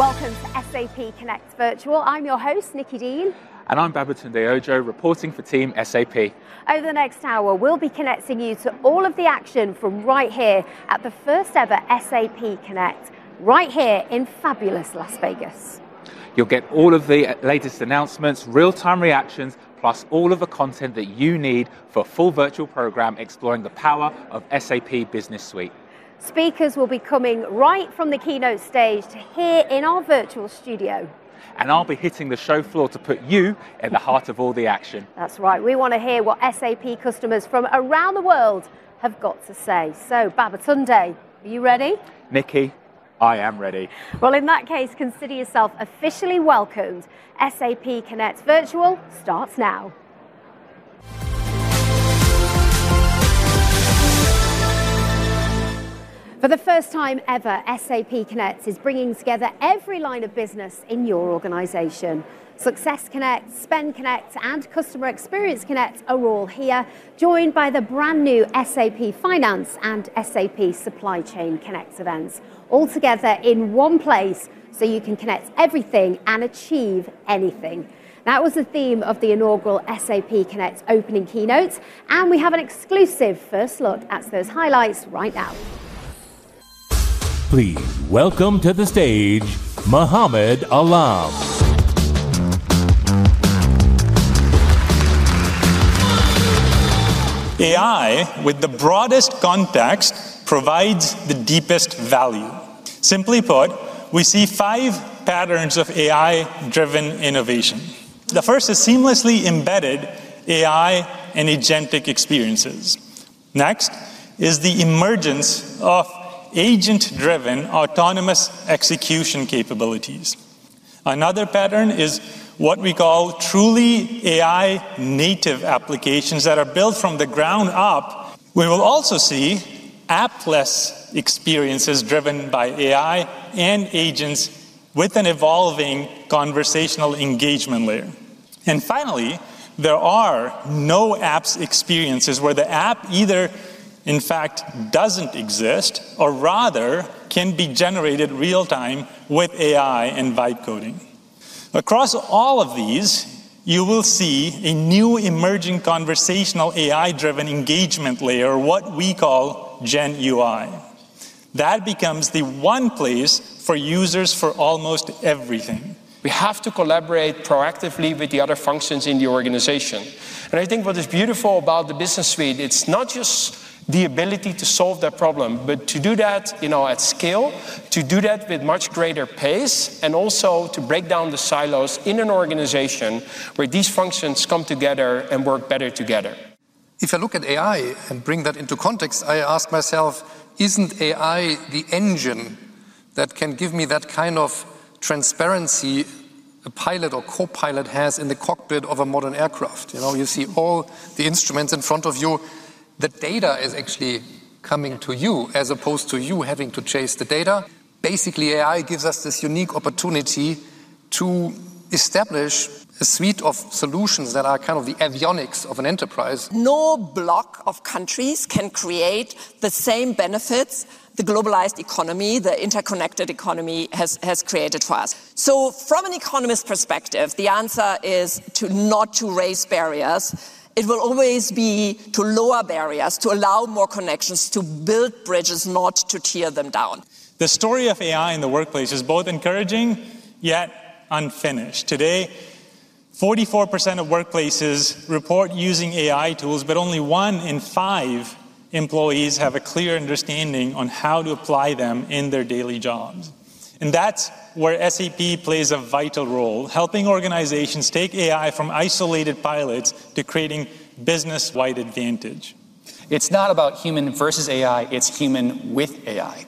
Welcome to SAP Connect Virtual. I'm your host, Nicky Dean. I'm Babatunde Ojo, reporting for Team SAP. Over the next hour, we'll be connecting you to all of the action from right here at the first-ever SAP Connect, right here in fabulous Las Vegas. You'll get all of the latest announcements, real-time reactions, plus all of the content that you need for a full virtual program exploring the power of SAP Business Suite. Speakers will be coming right from the keynote stage to here in our virtual studio. I'll be hitting the show floor to put you in the heart of all the action. That's right. We want to hear what SAP customers from around the world have got to say. Babatunde, are you ready? Nicky, I am ready. In that case, consider yourself officially welcomed. SAP Connect Virtual starts now. For the first time ever, SAP Connect is bringing together every line of business in your organization. Success Connect, Spend Connect, and Customer Experience Connect are all here, joined by the brand new SAP Finance and SAP Supply Chain Connect events, all together in one place so you can connect everything and achieve anything. That was the theme of the inaugural SAP Connect opening keynotes, and we have an exclusive first look at those highlights right now. Please welcome to the stage, Muhammad Alam. AI, with the broadest context, provides the deepest value. Simply put, we see five patterns of AI-driven innovation. The first is seamlessly embedded AI and agentic experiences. Next is the emergence of agent-driven autonomous execution capabilities. Another pattern is what we call truly AI-native applications that are built from the ground up. We will also see appless experiences driven by AI and agents with an evolving conversational engagement layer. Finally, there are no-apps experiences where the app either, in fact, doesn't exist or rather can be generated real-time with AI and byte coding. Across all of these, you will see a new emerging conversational AI-driven engagement layer, what we call Gen UI. That becomes the one place for users for almost everything. We have to collaborate proactively with the other functions in the organization. What is beautiful about the SAP Business Suite is not just the ability to solve that problem, but to do that at scale, with much greater pace, and also to break down the silos in an organization where these functions come together and work better together. If I look at AI and bring that into context, I ask myself, isn't AI the engine that can give me that kind of transparency a pilot or co-pilot has in the cockpit of a modern aircraft? You see all the instruments in front of you. The data is actually coming to you as opposed to you having to chase the data. Basically, AI gives us this unique opportunity to establish a suite of solutions that are kind of the avionics of an enterprise. No block of countries can create the same benefits the globalized economy, the interconnected economy has created for us. From an economist perspective, the answer is not to raise barriers. It will always be to lower barriers, to allow more connections, to build bridges, not to tear them down. The story of AI in the workplace is both encouraging yet unfinished. Today, 44% of workplaces report using AI tools, yet only one in five employees have a clear understanding of how to apply them in their daily jobs. That is where SAP plays a vital role, helping organizations take AI from isolated pilots to creating a business-wide advantage. It's not about human versus AI; it's human with AI.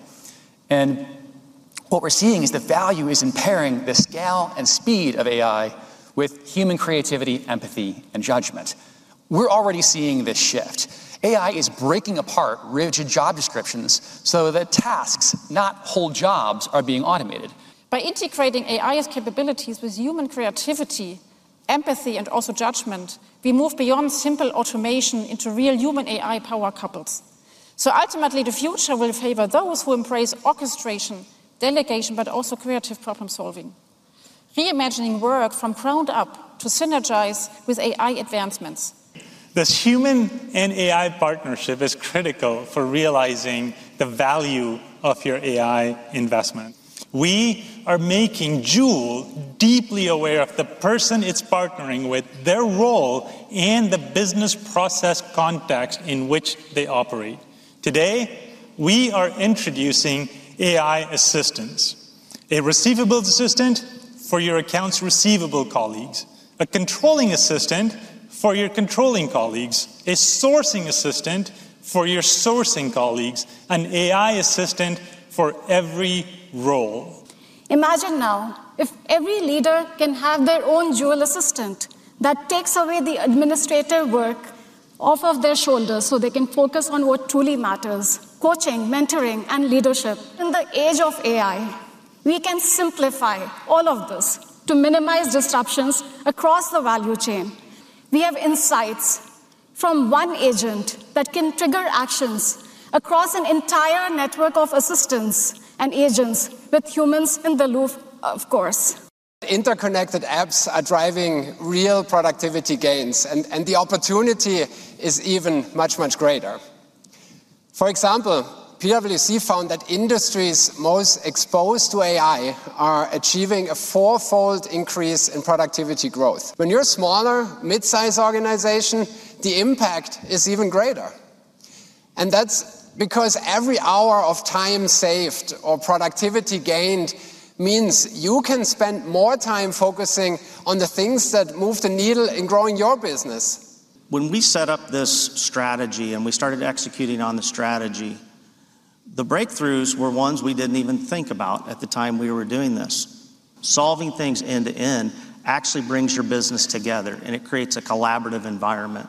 What we're seeing is the value is in pairing the scale and speed of AI with human creativity, empathy, and judgment. We're already seeing this shift. AI is breaking apart rigid job descriptions so that tasks, not whole jobs, are being automated. By integrating AI's capabilities with human creativity, empathy, and also judgment, we move beyond simple automation into real human-AI power couples. Ultimately, the future will favor those who embrace orchestration, delegation, but also creative problem-solving, reimagining work from ground up to synergize with AI advancements. This human and AI partnership is critical for realizing the value of your AI investment. We are making SAP Joule deeply aware of the person it's partnering with, their role, and the business process context in which they operate. Today, we are introducing AI assistants: a receivable assistant for your accounts receivable colleagues, a controlling assistant for your controlling colleagues, a sourcing assistant for your sourcing colleagues, an AI assistant for every role. Imagine now if every leader can have their own SAP Joule assistant that takes away the administrative work off of their shoulders so they can focus on what truly matters: coaching, mentoring, and leadership. In the age of AI, we can simplify all of this to minimize disruptions across the value chain. We have insights from one agent that can trigger actions across an entire network of assistants and agents, with humans in the loop, of course. Interconnected apps are driving real productivity gains, and the opportunity is even much, much greater. For example, PwC found that industries most exposed to AI are achieving a four-fold increase in productivity growth. When you're a smaller, mid-sized organization, the impact is even greater. That's because every hour of time saved or productivity gained means you can spend more time focusing on the things that move the needle in growing your business. When we set up this strategy and we started executing on the strategy, the breakthroughs were ones we didn't even think about at the time we were doing this. Solving things end-to-end actually brings your business together, and it creates a collaborative environment.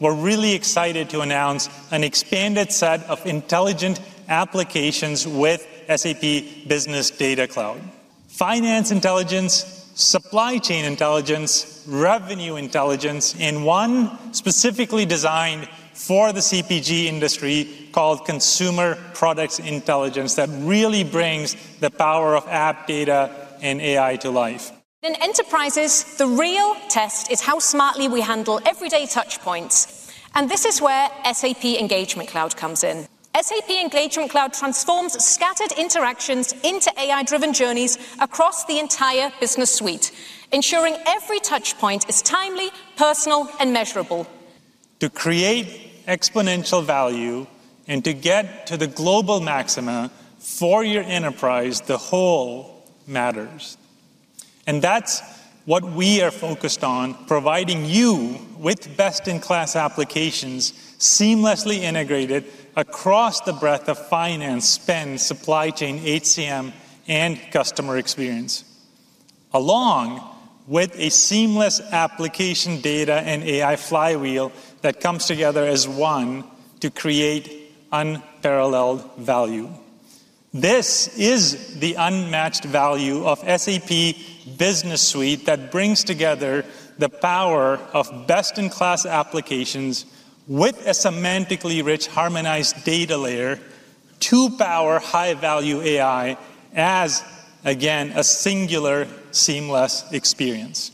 We're really excited to announce an expanded set of intelligent applications with SAP Business Data Cloud. Finance intelligence, supply chain intelligence, revenue intelligence, and one specifically designed for the CPG industry called Consumer Products Intelligence that really brings the power of app data and AI to life. In enterprises, the real test is how smartly we handle everyday touchpoints, and this is where SAP Engagement Cloud comes in. SAP Engagement Cloud transforms scattered interactions into AI-driven journeys across the entire SAP Business Suite, ensuring every touchpoint is timely, personal, and measurable. To create exponential value and to get to the global maxima for your enterprise, the whole matters. That is what we are focused on, providing you with best-in-class applications seamlessly integrated across the breadth of finance, spend, supply chain, HCM, and customer experience, along with a seamless application data and AI flywheel that comes together as one to create unparalleled value. This is the unmatched value of SAP Business Suite that brings together the power of best-in-class applications with a semantically rich, harmonized data layer to power high-value AI as, again, a singular, seamless experience.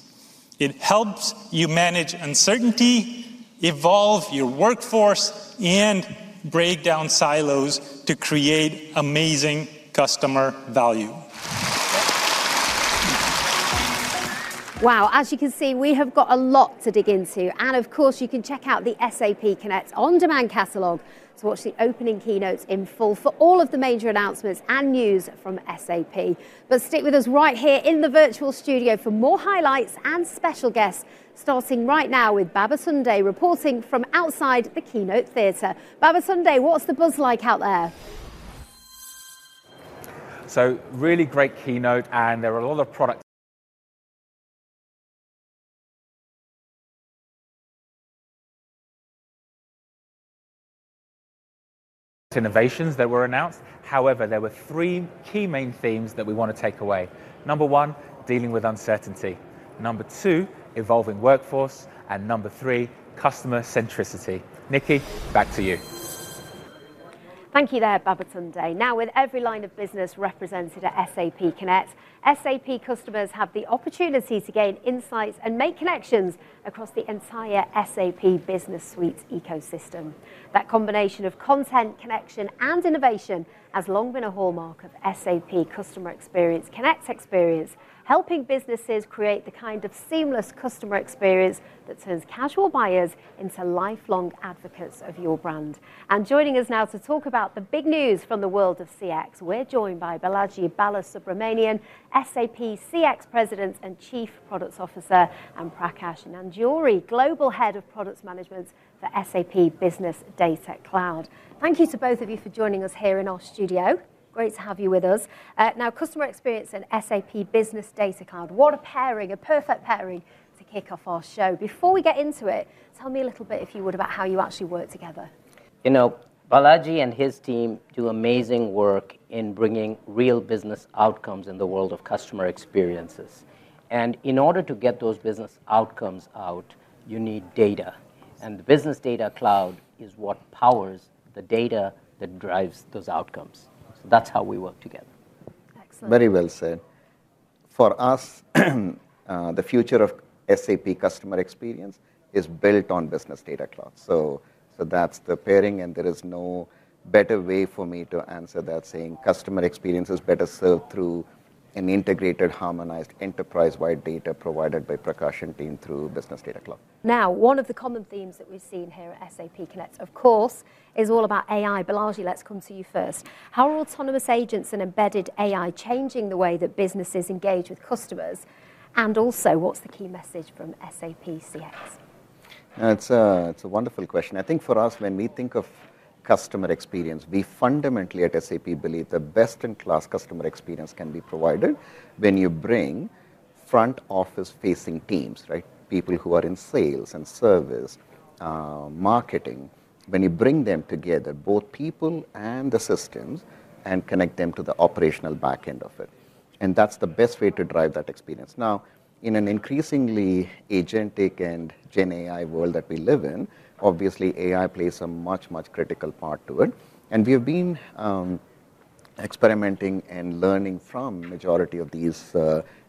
It helps you manage uncertainty, evolve your workforce, and break down silos to create amazing customer value. Wow. As you can see, we have got a lot to dig into. Of course, you can check out the SAP Connect on-demand catalog to watch the opening keynotes in full for all of the major announcements and news from SAP. Stick with us right here in the virtual studio for more highlights and special guests, starting right now with Babatunde reporting from outside the keynote theater. Babatunde, what's the buzz like out there? Really great keynote, and there are a lot of product innovations that were announced. However, there were three key main themes that we want to take away: number one, dealing with uncertainty; number two, evolving workforce; and number three, customer centricity. Nicky, back to you. Thank you, Babatunde. Now, with every line of business represented at SAP Connect, SAP customers have the opportunity to gain insights and make connections across the entire SAP Business Suite ecosystem. That combination of content, connection, and innovation has long been a hallmark of SAP Customer Experience Connect's experience, helping businesses create the kind of seamless customer experience that turns casual buyers into lifelong advocates of your brand. Joining us now to talk about the big news from the world of CX, we're joined by Balaji Balasubramanian, SAP Customer Experience President and Chief Product Officer, and Prakash Nanjori, Global Head of Product Management for SAP Business Data Cloud. Thank you to both of you for joining us here in our studio. Great to have you with us. Now, Customer Experience and SAP Business Data Cloud, what a pairing, a perfect pairing to kick off our show. Before we get into it, tell me a little bit, if you would, about how you actually work together. You know, Balaji and his team do amazing work in bringing real business outcomes in the world of customer experiences. In order to get those business outcomes out, you need data. The SAP Business Data Cloud is what powers the data that drives those outcomes. That's how we work together. Excellent. Very well said. For us, the future of SAP Customer Experience is built on SAP Business Data Cloud. That's the pairing, and there is no better way for me to answer that, saying customer experience is better served through an integrated, harmonized enterprise-wide data provided by Prakash and team through SAP Business Data Cloud. Now, one of the common themes that we've seen here at SAP Connect, of course, is all about AI. Balaji, let's come to you first. How are autonomous agents and embedded AI changing the way that businesses engage with customers? Also, what's the key message from SAP Customer Experience? No, it's a wonderful question. I think for us, when we think of customer experience, we fundamentally at SAP believe the best-in-class customer experience can be provided when you bring front-office-facing teams, right? People who are in sales and service, marketing. When you bring them together, both people and assistants, and connect them to the operational backend of it, that's the best way to drive that experience. In an increasingly agentic and Gen AI world that we live in, obviously, AI plays a much, much critical part to it. We have been experimenting and learning from the majority of these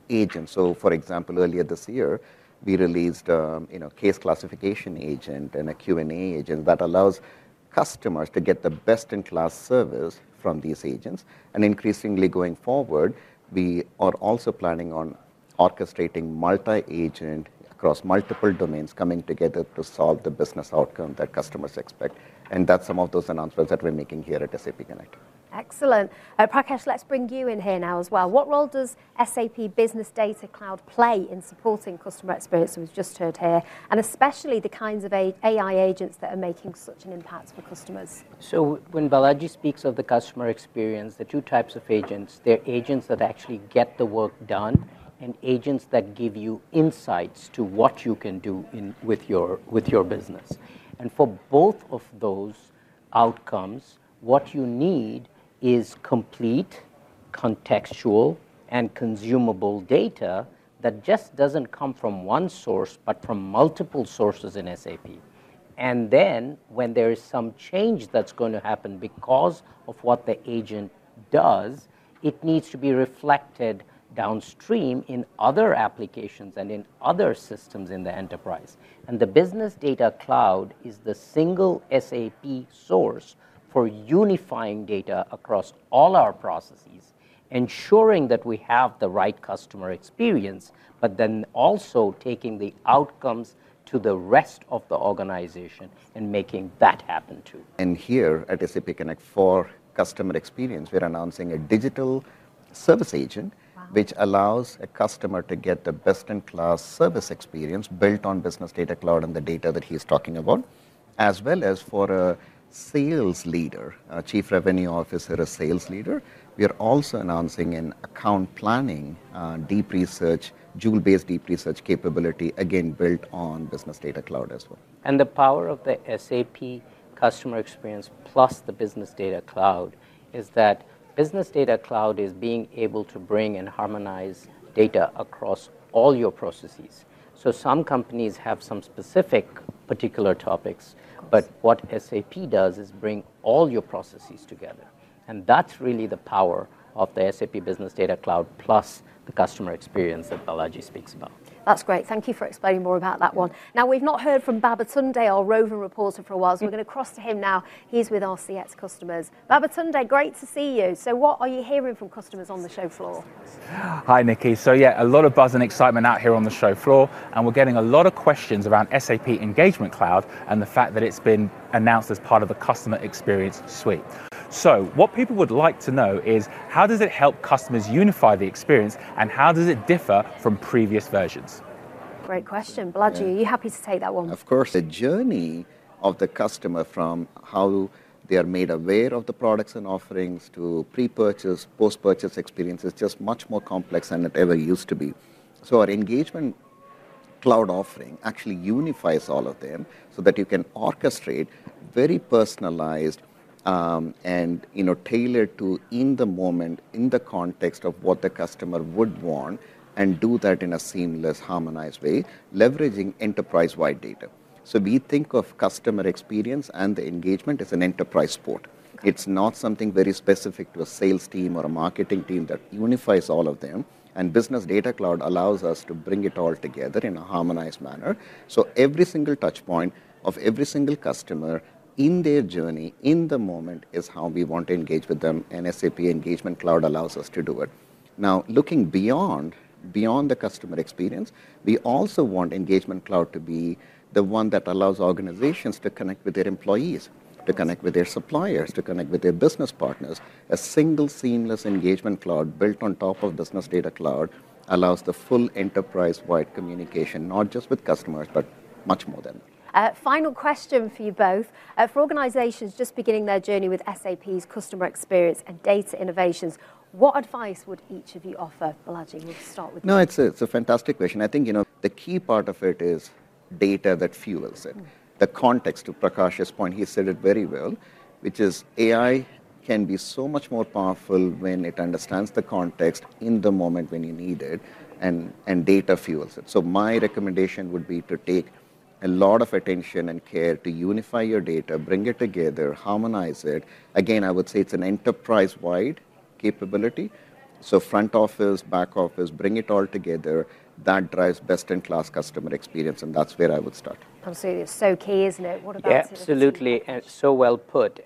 agents. For example, earlier this year, we released a case classification agent and a Q&A agent that allows customers to get the best-in-class service from these agents. Increasingly going forward, we are also planning on orchestrating multi-agent across multiple domains, coming together to solve the business outcome that customers expect. That's some of those announcements that we're making here at SAP Connect. Excellent! Prakash, let's bring you in here now as well. What role does SAP Business Data Cloud play in supporting customer experience, as we've just heard here, and especially the kinds of AI agents that are making such an impact for customers? When Balaji speaks of the customer experience, the two types of agents, they're agents that actually get the work done and agents that give you insights to what you can do with your business. For both of those outcomes, what you need is complete, contextual, and consumable data that just doesn't come from one source, but from multiple sources in SAP. When there is some change that's going to happen because of what the agent does, it needs to be reflected downstream in other applications and in other systems in the enterprise. The SAP Business Data Cloud is the single SAP source for unifying data across all our processes, ensuring that we have the right customer experience, but then also taking the outcomes to the rest of the organization and making that happen too. Here at SAP Connect for Customer Experience, we're announcing a digital service agent, which allows a customer to get the best-in-class service experience built on SAP Business Data Cloud and the data that he's talking about, as well as for a sales leader, a Chief Revenue Officer, a sales leader. We are also announcing an account planning, deep research, SAP Joule-based deep research capability, again, built on SAP Business Data Cloud as well. The power of the SAP Customer Experience plus the SAP Business Data Cloud is that SAP Business Data Cloud is able to bring and harmonize data across all your processes. Some companies have some specific particular topics, but what SAP does is bring all your processes together. That is really the power of the SAP Business Data Cloud plus the customer experience that Balaji speaks about. That's great. Thank you for explaining more about that one. We've not heard from Babatunde, our roving reporter, for a while, so we're going to cross to him now. He's with our CX customers. Babatunde, great to see you. What are you hearing from customers on the show floor? Hi, Nicky. Yeah, a lot of buzz and excitement out here on the show floor, and we're getting a lot of questions around SAP Engagement Cloud and the fact that it's been announced as part of the Customer Experience Suite. What people would like to know is, how does it help customers unify the experience, and how does it differ from previous versions? Great question. Balaji, are you happy to take that one? Of course. The journey of the customer from how they are made aware of the products and offerings to pre-purchase, post-purchase experience is just much more complex than it ever used to be. Our SAP Engagement Cloud offering actually unifies all of them so that you can orchestrate very personalized and tailored to in the moment, in the context of what the customer would want, and do that in a seamless, harmonized way, leveraging enterprise-wide data. We think of customer experience and the engagement as an enterprise port. It's not something very specific to a sales team or a marketing team that unifies all of them. SAP Business Data Cloud allows us to bring it all together in a harmonized manner. Every single touchpoint of every single customer in their journey, in the moment, is how we want to engage with them, and SAP Engagement Cloud allows us to do it. Now, looking beyond the customer experience, we also want SAP Engagement Cloud to be the one that allows organizations to connect with their employees, to connect with their suppliers, to connect with their business partners. A single, seamless SAP Engagement Cloud built on top of SAP Business Data Cloud allows the full enterprise-wide communication, not just with customers, but much more than. Final question for you both. For organizations just beginning their journey with SAP Customer Experience and data innovations, what advice would each of you offer? Balaji, we'll start with you. No, it's a fantastic question. I think the key part of it is data that fuels it. The context to Prakash's point, he said it very well, which is AI can be so much more powerful when it understands the context in the moment when you need it, and data fuels it. My recommendation would be to take a lot of attention and care to unify your data, bring it together, harmonize it. I would say it's an enterprise-wide capability. Front office, back office, bring it all together. That drives best-in-class customer experience, and that's where I would start. I'm sure it's so key, isn't it? Absolutely, and so well put.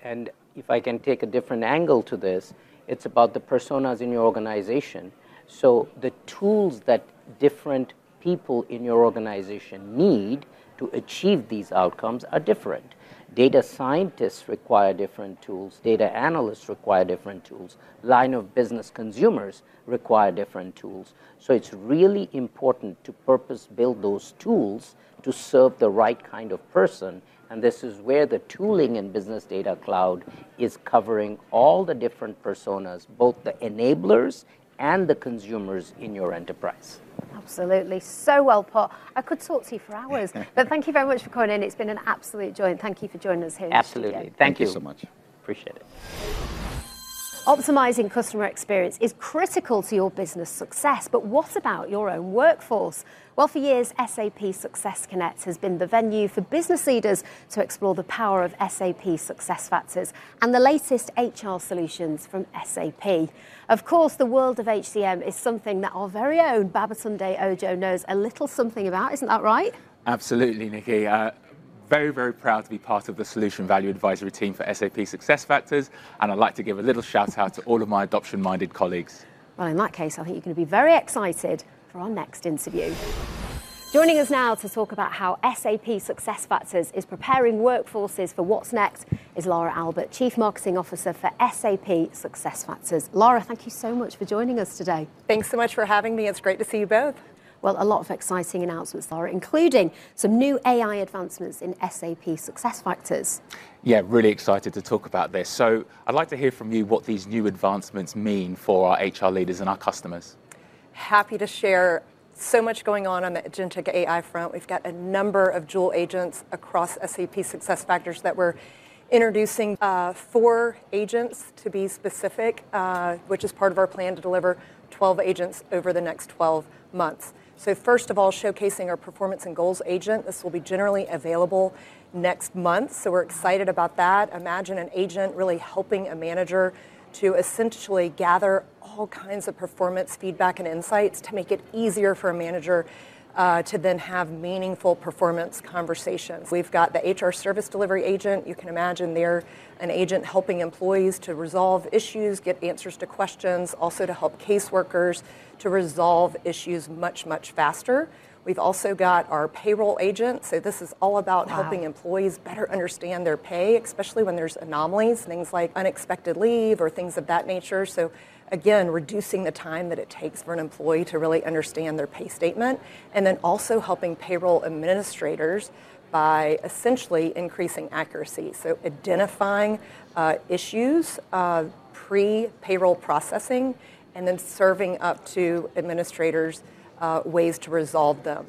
If I can take a different angle to this, it's about the personas in your organization. The tools that different people in your organization need to achieve these outcomes are different. Data scientists require different tools. Data analysts require different tools. Line of business consumers require different tools. It's really important to purpose-build those tools to serve the right kind of person. This is where the tooling in SAP Business Data Cloud is covering all the different personas, both the enablers and the consumers in your enterprise. Absolutely. So well put. I could talk to you for hours, but thank you very much for calling in. It's been an absolute joy. Thank you for joining us here. Absolutely. Thank you so much. Appreciate it. Optimizing customer experience is critical to your business success, but what about your own workforce? For years, SAP Success Connect has been the venue for business leaders to explore the power of SAP SuccessFactors and the latest HR solutions from SAP. Of course, the world of human capital management is something that our very own Babatunde Ojo knows a little something about, isn't that right? Absolutely, Nicky. Very, very proud to be part of the Solution Value Advisory team for SAP SuccessFactors, and I'd like to give a little shout-out to all of my adoption-minded colleagues. I think you're going to be very excited for our next interview. Joining us now to talk about how SAP SuccessFactors is preparing workforces for what's next is Lara Albert, Chief Marketing Officer for SAP SuccessFactors. Lara, thank you so much for joining us today. Thanks so much for having me. It's great to see you both. A lot of exciting announcements, Lara, including some new AI advancements in SAP SuccessFactors. Yeah, really excited to talk about this. I'd like to hear from you what these new advancements mean for our HR leaders and our customers. Happy to share. So much going on on the agentic AI front. We've got a number of SAP Joule AI assistants across SAP SuccessFactors that we're introducing, four agents to be specific, which is part of our plan to deliver 12 agents over the next 12 months. First of all, showcasing our Performance and Goals agent. This will be generally available next month, so we're excited about that. Imagine an agent really helping a manager to essentially gather all kinds of performance feedback and insights to make it easier for a manager to then have meaningful performance conversations. We've got the HR Service Delivery agent. You can imagine there an agent helping employees to resolve issues, get the answers to questions, also to help caseworkers to resolve issues much, much faster. We've also got our Payroll agent. This is all about helping employees better understand their pay, especially when there's anomalies, things like unexpected leave or things of that nature. Again, reducing the time that it takes for an employee to really understand their pay statement and also helping payroll administrators by essentially increasing accuracy. Identifying issues pre-payroll processing and then serving up to administrators ways to resolve them.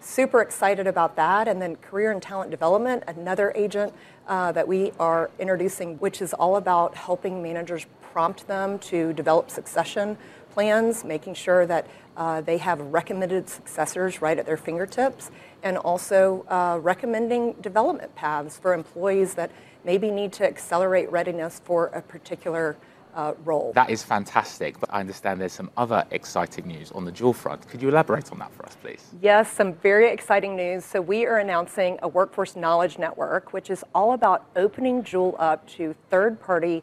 Super excited about that. Career and Talent Development, another agent that we are introducing, is all about helping managers, prompting them to develop succession plans, making sure that they have recommended successors right at their fingertips, and also recommending development paths for employees that maybe need to accelerate readiness for a particular role. That is fantastic, but I understand there's some other exciting news on the SAP Joule front. Could you elaborate on that for us, please? Yes, some very exciting news. We are announcing a Workforce Knowledge Network, which is all about opening SAP Joule up to third-party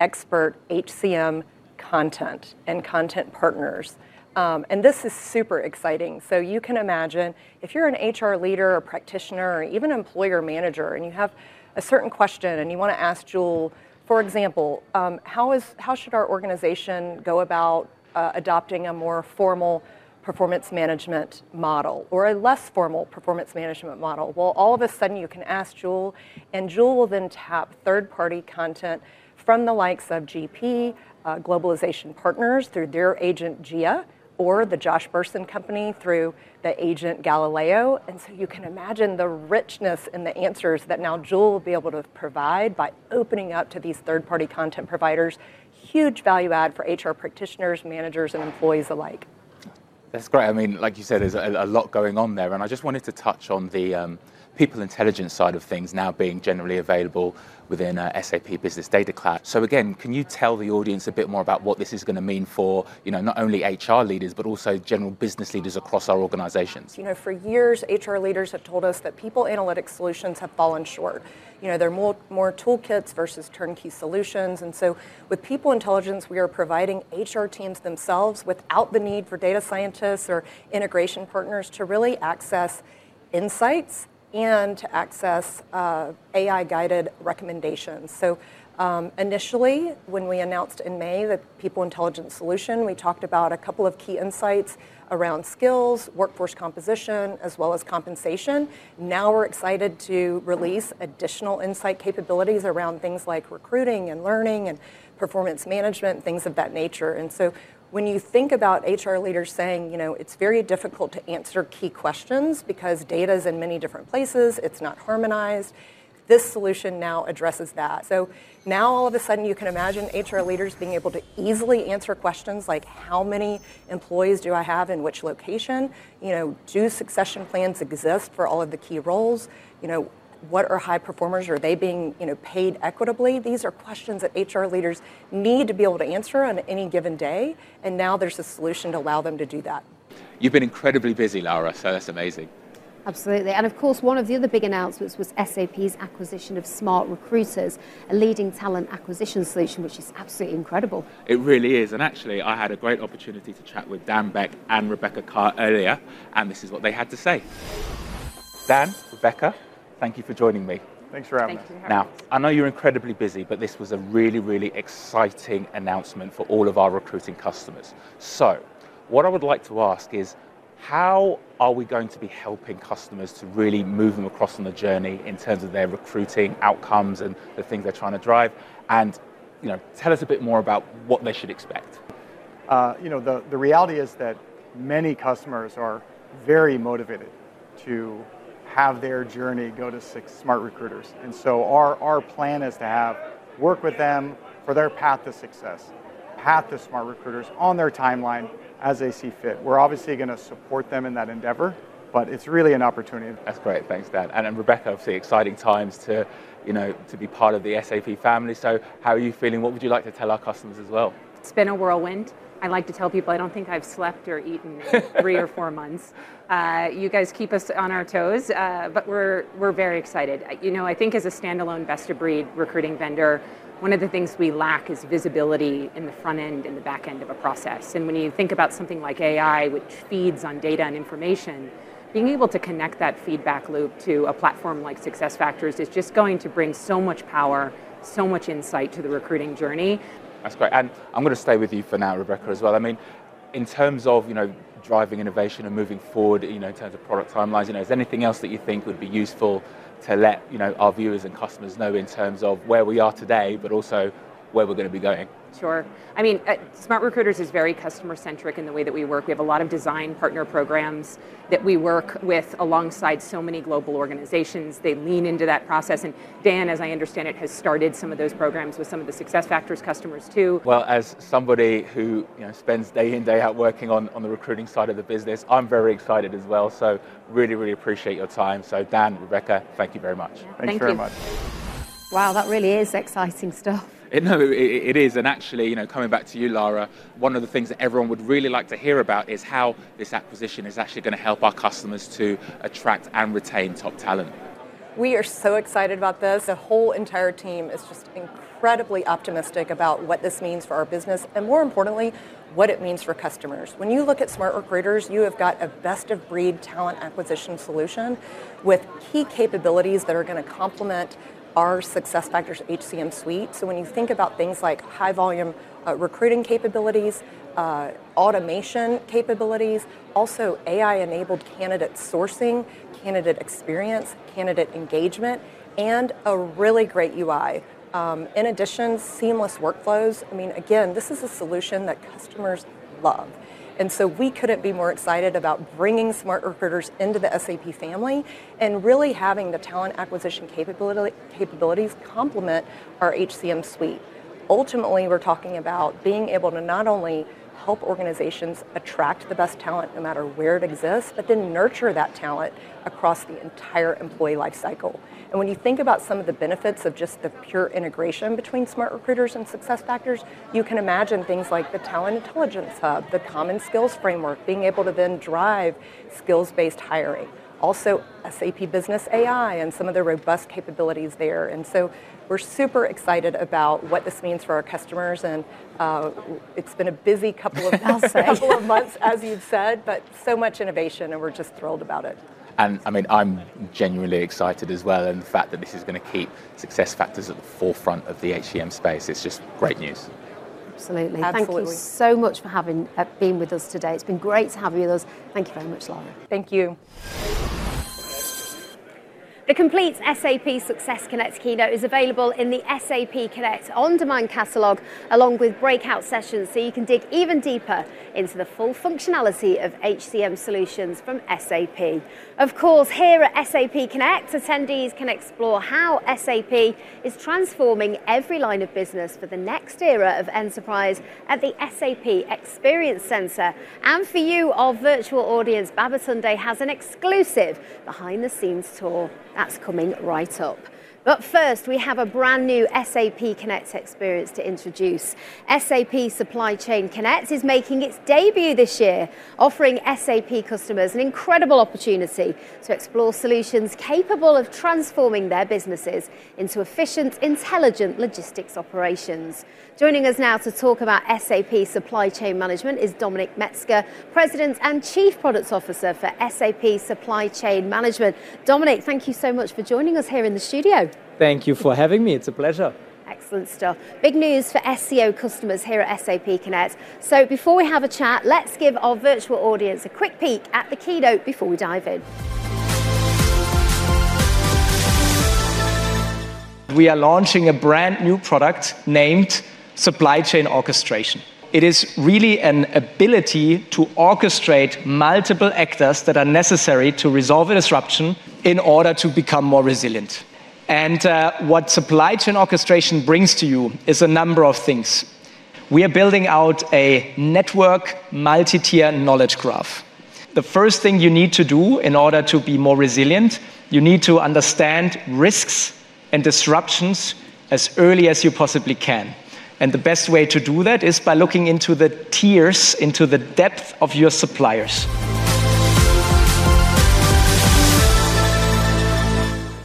expert human capital management content and content partners. This is super exciting. You can imagine if you're an HR leader or practitioner or even employer manager and you have a certain question and you want to ask SAP Joule, for example, how should our organization go about adopting a more formal performance management model or a less formal performance management model? All of a sudden you can ask SAP Joule, and SAP Joule will then tap third-party content from the likes of GP, Globalization Partners through their agent GIA, or The Josh Bersin Company through the agent Galileo. You can imagine the richness in the answers that now SAP Joule will be able to provide by opening up to these third-party content providers. Huge value add for HR practitioners, managers, and employees alike. That's great. I mean, like you said, there's a lot going on there. I just wanted to touch on the people intelligence side of things now being generally available within SAP Business Data Cloud. Again, can you tell the audience a bit more about what this is going to mean for not only HR leaders, but also general business leaders across our organizations? For years, HR leaders have told us that people analytics solutions have fallen short. They're more toolkits versus turnkey solutions. With people intelligence, we are providing HR teams themselves, without the need for data scientists or integration partners, to really access insights and to access AI-guided recommendations. Initially, when we announced in May the people intelligence solution, we talked about a couple of key insights around skills, workforce composition, as well as compensation. We're excited to release additional insight capabilities around things like recruiting, learning, and performance management, things of that nature. When you think about HR leaders saying it's very difficult to answer key questions because data is in many different places, it's not harmonized, this solution now addresses that. All of a sudden, you can imagine HR leaders being able to easily answer questions like, how many employees do I have in which location? Do succession plans exist for all of the key roles? What are high performers? Are they being paid equitably? These are questions that HR leaders need to be able to answer on any given day, and now there's a solution to allow them to do that. You've been incredibly busy, Lara, so that's amazing. Absolutely. Of course, one of the other big announcements was SAP's acquisition of SmartRecruiters, a leading talent acquisition solution, which is absolutely incredible. It really is. I had a great opportunity to chat with Dan Beck and Rebecca Carr earlier, and this is what they had to say. Dan, Rebecca, thank you for joining me. Thanks for having us. Thank you. Now, I know you're incredibly busy, but this was a really, really exciting announcement for all of our recruiting customers. What I would like to ask is, how are we going to be helping customers to really move them across on the journey in terms of their recruiting outcomes and the things they're trying to drive? You know, tell us a bit more about what they should expect. You know, the reality is that many customers are very motivated to have their journey go to SmartRecruiters. Our plan is to work with them for their path to success, path to SmartRecruiters on their timeline as they see fit. We're obviously going to support them in that endeavor, but it's really an opportunity. That's great. Thanks, Dan. Rebecca, obviously exciting times to be part of the SAP family. How are you feeling? What would you like to tell our customers as well? It's been a whirlwind. I like to tell people I don't think I've slept or eaten in three or four months. You guys keep us on our toes, but we're very excited. I think as a standalone best-of-breed recruiting vendor, one of the things we lack is visibility in the front end and the back end of a process. When you think about something like AI, which feeds on data and information, being able to connect that feedback loop to a platform like SAP SuccessFactors is just going to bring so much power, so much insight to the recruiting journey. That's great. I'm going to stay with you for now, Rebecca, as well. In terms of driving innovation and moving forward, in terms of product timelines, is there anything else that you think would be useful to let our viewers and customers know in terms of where we are today, but also where we're going to be going? Sure. I mean, SmartRecruiters is very customer-centric in the way that we work. We have a lot of design partner programs that we work with alongside so many global organizations. They lean into that process. Dan, as I understand it, has started some of those programs with some of the SAP SuccessFactors customers too. As somebody who, you know, spends day in, day out working on the recruiting side of the business, I'm very excited as well. I really, really appreciate your time. Dan, Rebecca, thank you very much. Thanks very much. Wow, that really is exciting stuff. It is. Actually, you know, coming back to you, Lara, one of the things that everyone would really like to hear about is how this acquisition is actually going to help our customers to attract and retain top talent. We are so excited about this. The whole entire team is just incredibly optimistic about what this means for our business and, more importantly, what it means for customers. When you look at SmartRecruiters, you have got a best-of-breed talent acquisition solution with key capabilities that are going to complement our SuccessFactors HCM suite. When you think about things like high-volume recruiting capabilities, automation capabilities, also AI-enabled candidate sourcing, candidate experience, candidate engagement, and a really great UI, in addition, seamless workflows, this is a solution that customers love. We couldn't be more excited about bringing SmartRecruiters into the SAP family and really having the talent acquisition capabilities complement our HCM suite. Ultimately, we're talking about being able to not only help organizations attract the best talent no matter where it exists, but then nurture that talent across the entire employee lifecycle. When you think about some of the benefits of just the pure integration between SmartRecruiters and SuccessFactors, you can imagine things like the Talent Intelligence Hub, the Common Skills Framework, being able to then drive skills-based hiring, also SAP Business AI and some of the robust capabilities there. We're super excited about what this means for our customers. It's been a busy couple of months, as you've said, but so much innovation, and we're just thrilled about it. I mean, I'm genuinely excited as well. The fact that this is going to keep SAP SuccessFactors at the forefront of the human capital management space is just great news. Absolutely. Thank you so much for having been with us today. It's been great to have you with us. Thank you very much, Lara. Thank you. The complete SAP Success Connect keynote is available in the SAP Connect on-demand catalog, along with breakout sessions, so you can dig even deeper into the full functionality of human capital management solutions from SAP. Of course, here at SAP Connect, attendees can explore how SAP is transforming every line of business for the next era of enterprise at the SAP Experience Centre. For you, our virtual audience, Babatunde has an exclusive behind-the-scenes tour. That's coming right up. First, we have a brand new SAP Connect experience to introduce. SAP Supply Chain Connect is making its debut this year, offering SAP customers an incredible opportunity to explore solutions capable of transforming their businesses into efficient, intelligent logistics operations. Joining us now to talk about SAP Supply Chain Management is Dominik Metzger, President and Chief Product Officer for SAP Supply Chain Management. Dominik, thank you so much for joining us here in the studio. Thank you for having me. It's a pleasure. Excellent stuff. Big news for SAP customers here at SAP Connect. Before we have a chat, let's give our virtual audience a quick peek at the keynote before we dive in. We are launching a brand new product named SAP Supply Chain Orchestration. It is really an ability to orchestrate multiple actors that are necessary to resolve a disruption in order to become more resilient. What SAP Supply Chain Orchestration brings to you is a number of things. We are building out a network, multi-tier knowledge graph. The first thing you need to do in order to be more resilient, you need to understand risks and disruptions as early as you possibly can. The best way to do that is by looking into the tiers, into the depth of your suppliers.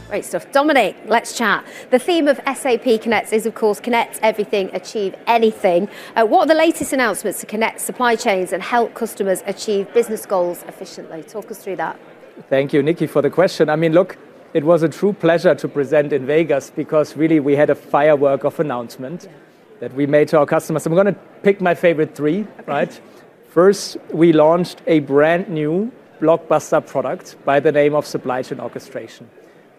Great stuff. Dominik, let's chat. The theme of SAP Connect is, of course, connect everything, achieve anything. What are the latest announcements to connect supply chains and help customers achieve business goals efficiently? Talk us through that. Thank you, Nicky, for the question. I mean, look, it was a true pleasure to present in Las Vegas because really we had a firework of announcements that we made to our customers. I'm going to pick my favorite three, right? First, we launched a brand new blockbuster product by the name of SAP Supply Chain Orchestration.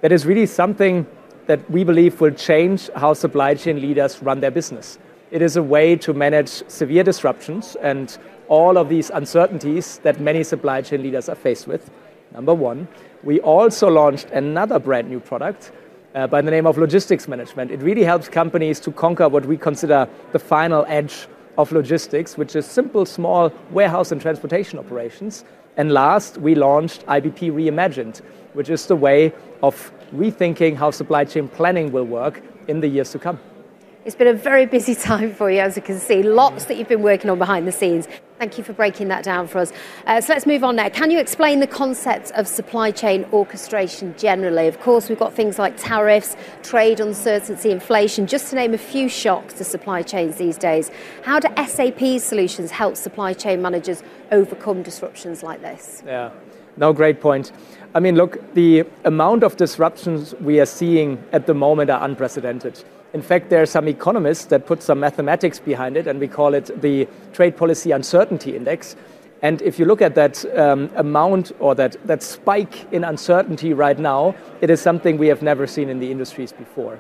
That is really something that we believe will change how supply chain leaders run their business. It is a way to manage severe disruptions and all of these uncertainties that many supply chain leaders are faced with. Number one, we also launched another brand new product by the name of Logistics Management. It really helps companies to conquer what we consider the final edge of logistics, which is simple, small warehouse and transportation operations. Last, we launched IBP Reimagined, which is the way of rethinking how supply chain planning will work in the years to come. It's been a very busy time for you, as you can see. Lots that you've been working on behind the scenes. Thank you for breaking that down for us. Let's move on. Can you explain the concepts of supply chain orchestration generally? Of course, we've got things like tariffs, trade uncertainty, inflation, just to name a few shocks to supply chains these days. How do SAP solutions help supply chain managers overcome disruptions like this? Yeah, no, great point. I mean, look, the amount of disruptions we are seeing at the moment are unprecedented. In fact, there are some economists that put some mathematics behind it, and we call it the Trade Policy Uncertainty Index. If you look at that amount or that spike in uncertainty right now, it is something we have never seen in the industries before.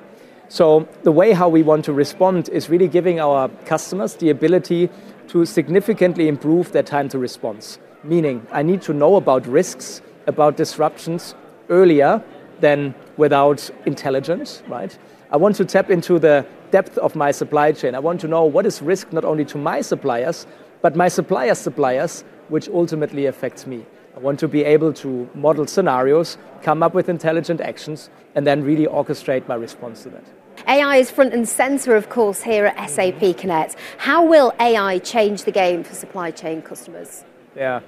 The way how we want to respond is really giving our customers the ability to significantly improve their time to response. Meaning, I need to know about risks, about disruptions earlier than without intelligence, right? I want to tap into the depth of my supply chain. I want to know what is risk not only to my suppliers, but my suppliers' suppliers, which ultimately affects me. I want to be able to model scenarios, come up with intelligent actions, and then really orchestrate my response to that. AI is front and center, of course, here at SAP Connect. How will AI change the game for supply chain customers? Yeah,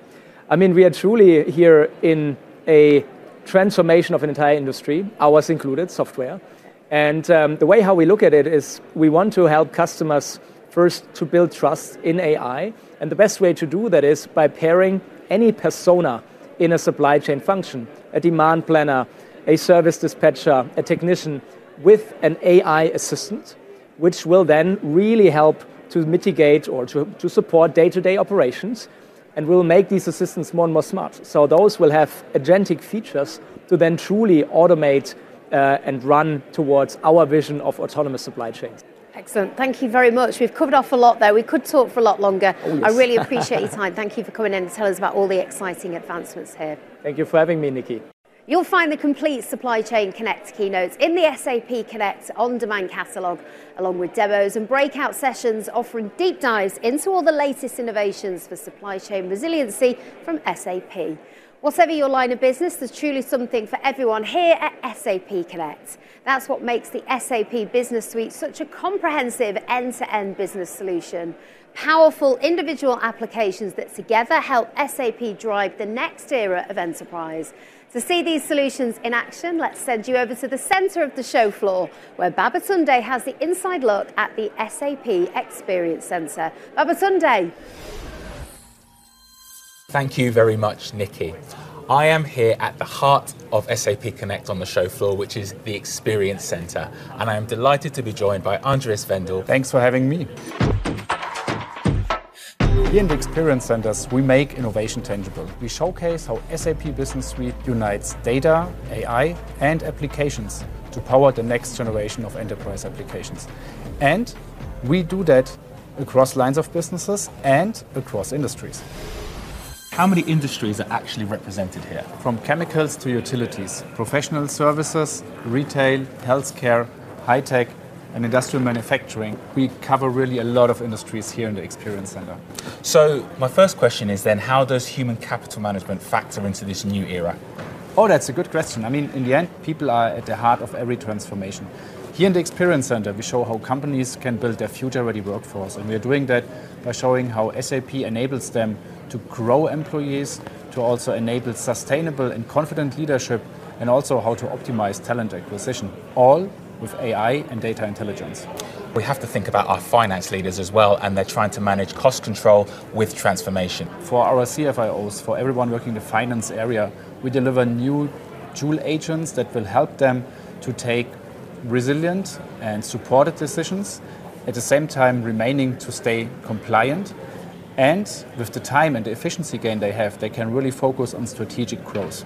I mean, we are truly here in a transformation of an entire industry, ours included, software. The way how we look at it is we want to help customers first to build trust in AI. The best way to do that is by pairing any persona in a supply chain function, a demand planner, a service dispatcher, a technician with an AI assistant, which will then really help to mitigate or to support day-to-day operations and will make these assistants more and more smart. Those will have agentic features to then truly automate and run towards our vision of autonomous supply chains. Excellent. Thank you very much. We've covered off a lot there. We could talk for a lot longer. I really appreciate your time. Thank you for coming in to tell us about all the exciting advancements here. Thank you for having me, Nicky. You'll find the complete Supply Chain Connect keynote in the SAP Connect on-demand catalog, along with demos and breakout sessions offering deep dives into all the latest innovations for supply chain resiliency from SAP. Whatever your line of business, there's truly something for everyone here at SAP Connect. That's what makes the SAP Business Suite such a comprehensive end-to-end business solution. Powerful individual applications that together help SAP drive the next era of enterprise. To see these solutions in action, let's send you over to the center of the show floor, where Babatunde has the inside look at the SAP Experience Center. Babatunde. Thank you very much, Nicky. I am here at the heart of SAP Connect on the show floor, which is the Experience Center, and I am delighted to be joined by Andreas Wendel. Thanks for having me. Here in the Experience Centers, we make innovation tangible. We showcase how SAP Business Suite unites data, AI, and applications to power the next generation of enterprise applications. We do that across lines of business and across industries. How many industries are actually represented here? From chemicals to utilities, professional services, retail, healthcare, high tech, and industrial manufacturing, we cover really a lot of industries here in the Experience Center. My first question is then, how does human capital management factor into this new era? Oh, that's a good question. I mean, in the end, people are at the heart of every transformation. Here in the Experience Center, we show how companies can build their future-ready workforce. We are doing that by showing how SAP enables them to grow employees, to also enable sustainable and confident leadership, and also how to optimize talent acquisition, all with AI and data intelligence. We have to think about our finance leaders as well, and they're trying to manage cost control with transformation. For our CFOs, for everyone working in the finance area, we deliver new SAP Joule AI assistants that will help them to take resilient and supportive decisions, at the same time remaining to stay compliant. With the time and the efficiency gain they have, they can really focus on strategic growth.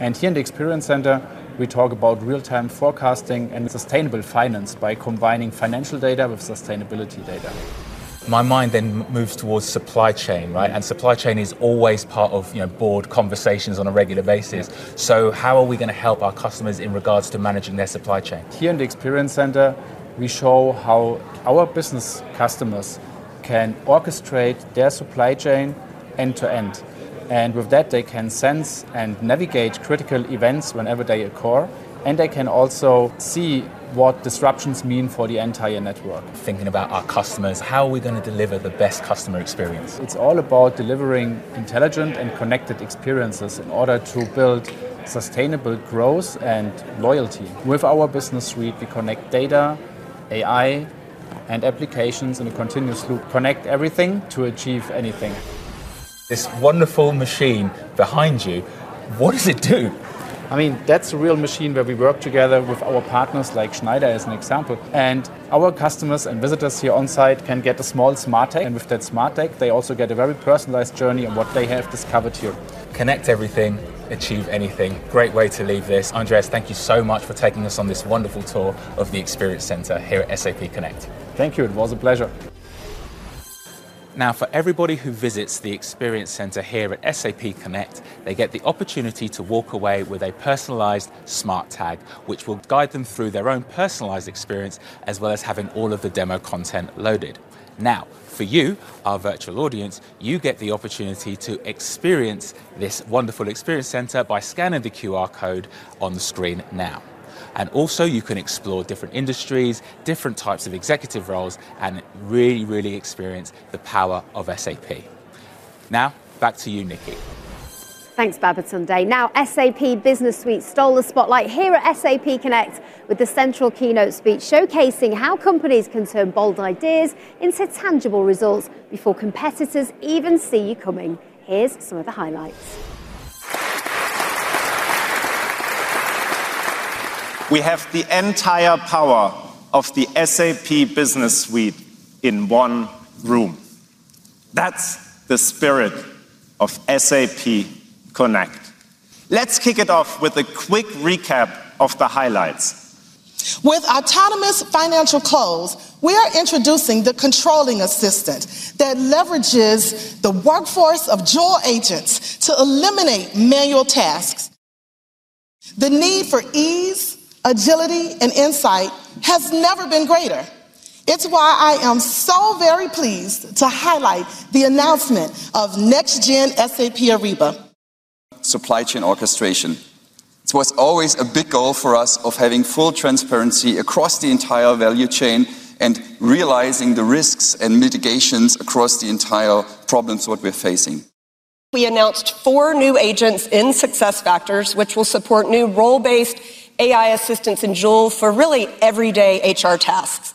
Here in the Experience Center, we talk about real-time forecasting and sustainable finance by combining financial data with sustainability data. My mind then moves towards supply chain, right? Supply chain is always part of, you know, board conversations on a regular basis. How are we going to help our customers in regards to managing their supply chain? Here in the Experience Center, we show how our business customers can orchestrate their supply chain end to end. With that, they can sense and navigate critical events whenever they occur, and they can also see what disruptions mean for the entire network. Thinking about our customers, how are we going to deliver the best customer experience? It's all about delivering intelligent and connected experiences in order to build sustainable growth and loyalty. With our SAP Business Suite, we connect data, AI, and applications in a continuous loop, connect everything to achieve anything. This wonderful machine behind you, what does it do? That's a real machine where we work together with our partners like Schneider as an example. Our customers and visitors here on site can get a small SmartTag, and with that SmartTag, they also get a very personalized journey on what they have discovered here. Connect everything, achieve anything. Great way to leave this. Andris, thank you so much for taking us on this wonderful tour of the Experience Center here at SAP Connect. Thank you. It was a pleasure. Now, for everybody who visits the Experience Center here at SAP Connect, they get the opportunity to walk away with a personalized SmartTag, which will guide them through their own personalized experience, as well as having all of the demo content loaded. For you, our virtual audience, you get the opportunity to experience this wonderful Experience Center by scanning the QR code on the screen now. You can also explore different industries, different types of executive roles, and really, really experience the power of SAP. Now, back to you, Nicky. Thanks, Babatunde. Now, SAP Business Suite stole the spotlight here at SAP Connect with the central keynote speech showcasing how companies can turn bold ideas into tangible results before competitors even see you coming. Here are some of the highlights. We have the entire power of the SAP Business Suite in one room. That's the spirit of SAP Connect. Let's kick it off with a quick recap of the highlights. With autonomous financial calls, we are introducing the controlling assistant that leverages the workforce of SAP Joule AI assistants to eliminate manual tasks. The need for ease, agility, and insight has never been greater. It's why I am so very pleased to highlight the announcement of next-gen SAP Ariba, SAP Supply Chain Orchestration. It was always a big goal for us of having full transparency across the entire value chain and realizing the risks and mitigations across the entire problems that we're facing. We announced four new agents in SAP SuccessFactors, which will support new role-based AI assistants in SAP Joule for really everyday HR tasks.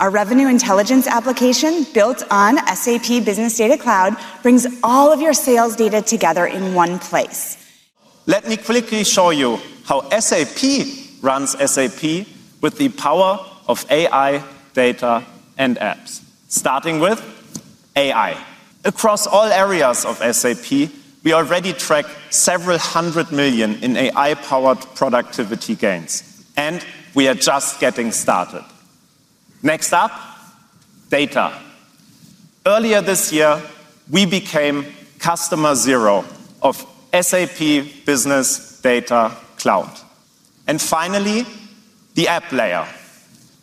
Our revenue intelligence application built on SAP Business Data Cloud brings all of your sales data together in one place. Let me quickly show you how SAP runs SAP with the power of AI, data, and apps. Starting with AI, across all areas of SAP, we already track several hundred million in AI-powered productivity gains, and we are just getting started. Next up, data. Earlier this year, we became customer zero of SAP Business Data Cloud. Finally, the app layer.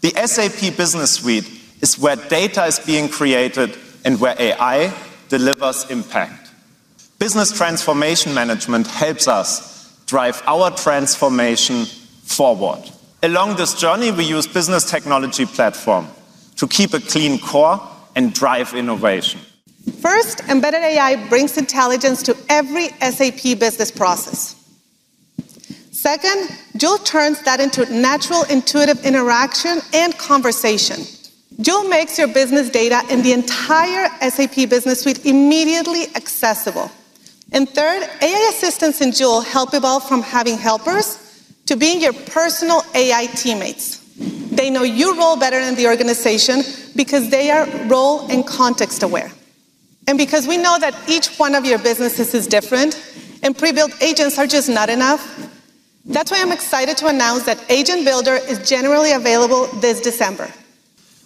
The SAP Business Suite is where data is being created and where AI delivers impact. Business transformation management helps us drive our transformation forward. Along this journey, we use the Business Technology Platform to keep a clean core and drive innovation. First, embedded AI brings intelligence to every SAP business process. Second, SAP Joule turns that into natural, intuitive interaction and conversation. SAP Joule makes your business data and the entire SAP Business Suite immediately accessible. Third, AI assistants in SAP Joule help evolve from having helpers to being your personal AI teammates. They know your role better than the organization because they are role and context aware. Because we know that each one of your businesses is different and pre-built agents are just not enough, that's why I'm excited to announce that Agent Builder is generally available this December.